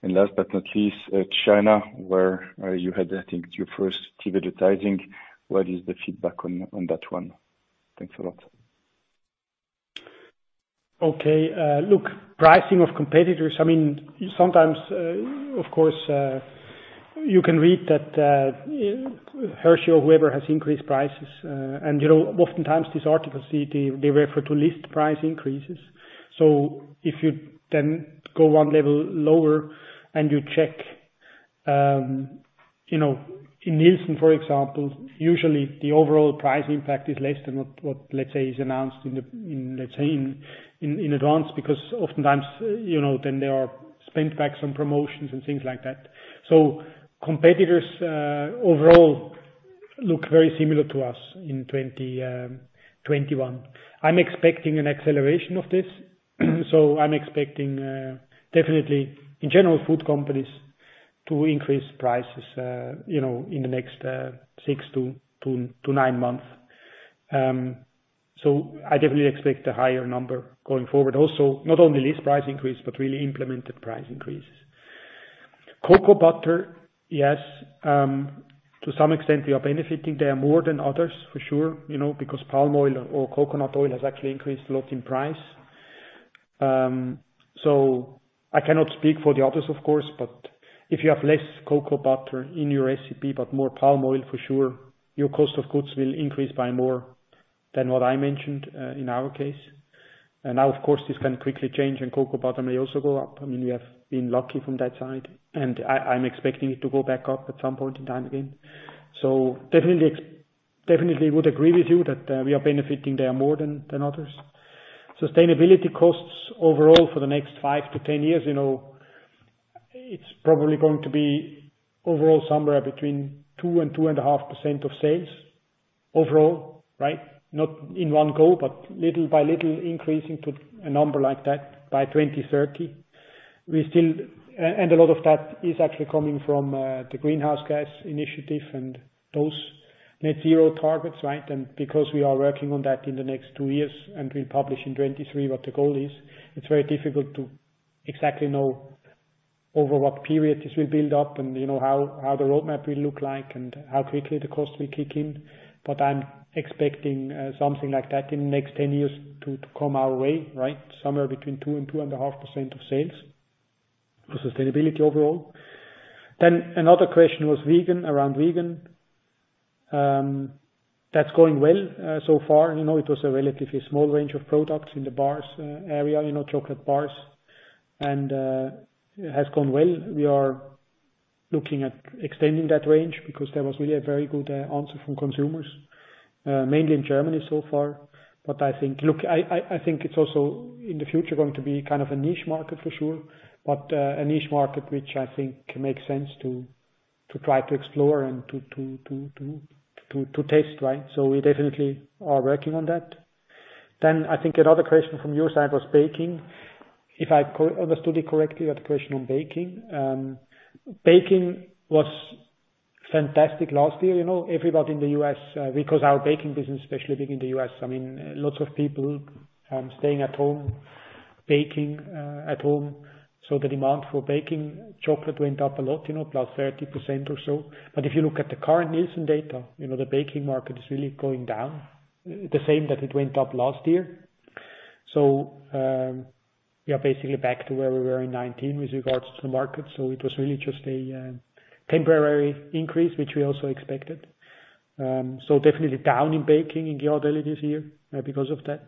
Last but not least, China, where you had, I think, your first TV advertising. What is the feedback on that one? Thanks a lot. Okay. Look, pricing of competitors, sometimes, of course, you can read that Hershey or whoever has increased prices. Oftentimes these articles, they refer to list price increases. If you then go one level lower and you check in Nielsen, for example, usually the overall price impact is less than what, let's say, is announced in advance, because oftentimes, then there are spend backs on promotions and things like that. Competitors overall look very similar to us in 2021. I'm expecting an acceleration of this. I'm expecting, definitely, in general, food companies to increase prices in the next six to nine months. I definitely expect a higher number going forward. Also, not only list price increase, but really implemented price increases. Cocoa butter, yes. To some extent, we are benefiting there more than others for sure, because palm oil or coconut oil has actually increased a lot in price. I cannot speak for the others, of course, but if you have less cocoa butter in your recipe, but more palm oil, for sure your cost of goods will increase by more than what I mentioned in our case. Now, of course, this can quickly change and cocoa butter may also go up. We have been lucky from that side, and I'm expecting it to go back up at some point in time again. Definitely would agree with you that we are benefiting there more than others. Sustainability costs overall for the next 5-10 years, it's probably going to be overall somewhere between 2% and 2.5% of sales overall, right? Not in one go, but little by little increasing to a number like that by 2030. A lot of that is actually coming from the Greenhouse Gas Initiative and those net zero targets, right? Because we are working on that in the next two years and we publish in 2023 what the goal is, it is very difficult to exactly know over what period this will build up and how the roadmap will look like and how quickly the cost will kick in. I am expecting something like that in the next 10 years to come our way, right? Somewhere between 2% and 2.5% of sales for sustainability overall. Another question was vegan, around vegan. That is going well so far. It was a relatively small range of products in the bars area, chocolate bars, and it has gone well. We are looking at extending that range because there was really a very good answer from consumers, mainly in Germany so far. It's also in the future going to be a niche market for sure, but a niche market which I think makes sense to try to explore and to test, right? We definitely are working on that. I think another question from your side was baking. If I understood it correctly, you had a question on baking. Baking was fantastic last year. Everybody in the U.S., because our baking business, especially big in the U.S., lots of people staying at home, baking at home. The demand for baking chocolate went up a lot, plus 30% or so. If you look at the current Nielsen data, the baking market is really going down the same that it went up last year. We are basically back to where we were in 2019 with regards to the market. It was really just a temporary increase, which we also expected. Definitely down in baking in Ghirardelli this year because of that.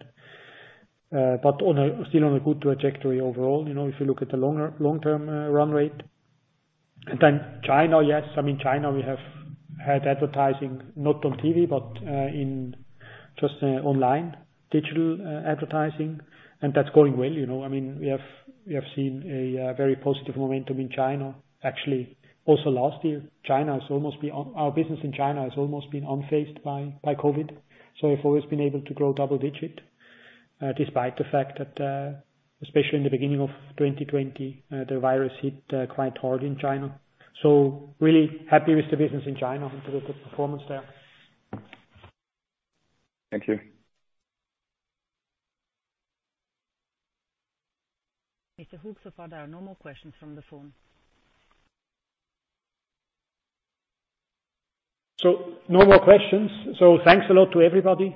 Still on a good trajectory overall, if you look at the long-term run rate. China, yes. China, we have had advertising not on TV, but in just online digital advertising. That's going well. We have seen a very positive momentum in China. Actually, also last year, our business in China has almost been unfazed by COVID. We've always been able to grow double-digit, despite the fact that, especially in the beginning of 2020, the virus hit quite hard in China. Really happy with the business in China and with the performance there. Thank you. Mr. Hug, so far there are no more questions from the phone. No more questions. Thanks a lot to everybody.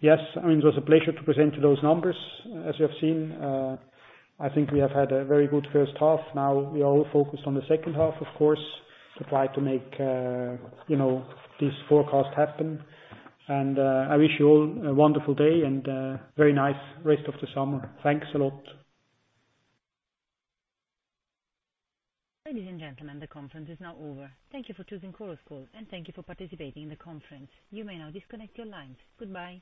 Yes, it was a pleasure to present those numbers. As you have seen, I think we have had a very good first half. Now we are all focused on the second half, of course, to try to make these forecasts happen. I wish you all a wonderful day and a very nice rest of the summer. Thanks a lot. Ladies and gentlemen, the conference is now over. Thank you for choosing Chorus Call, and thank you for participating in the conference. You may now disconnect your lines. Goodbye.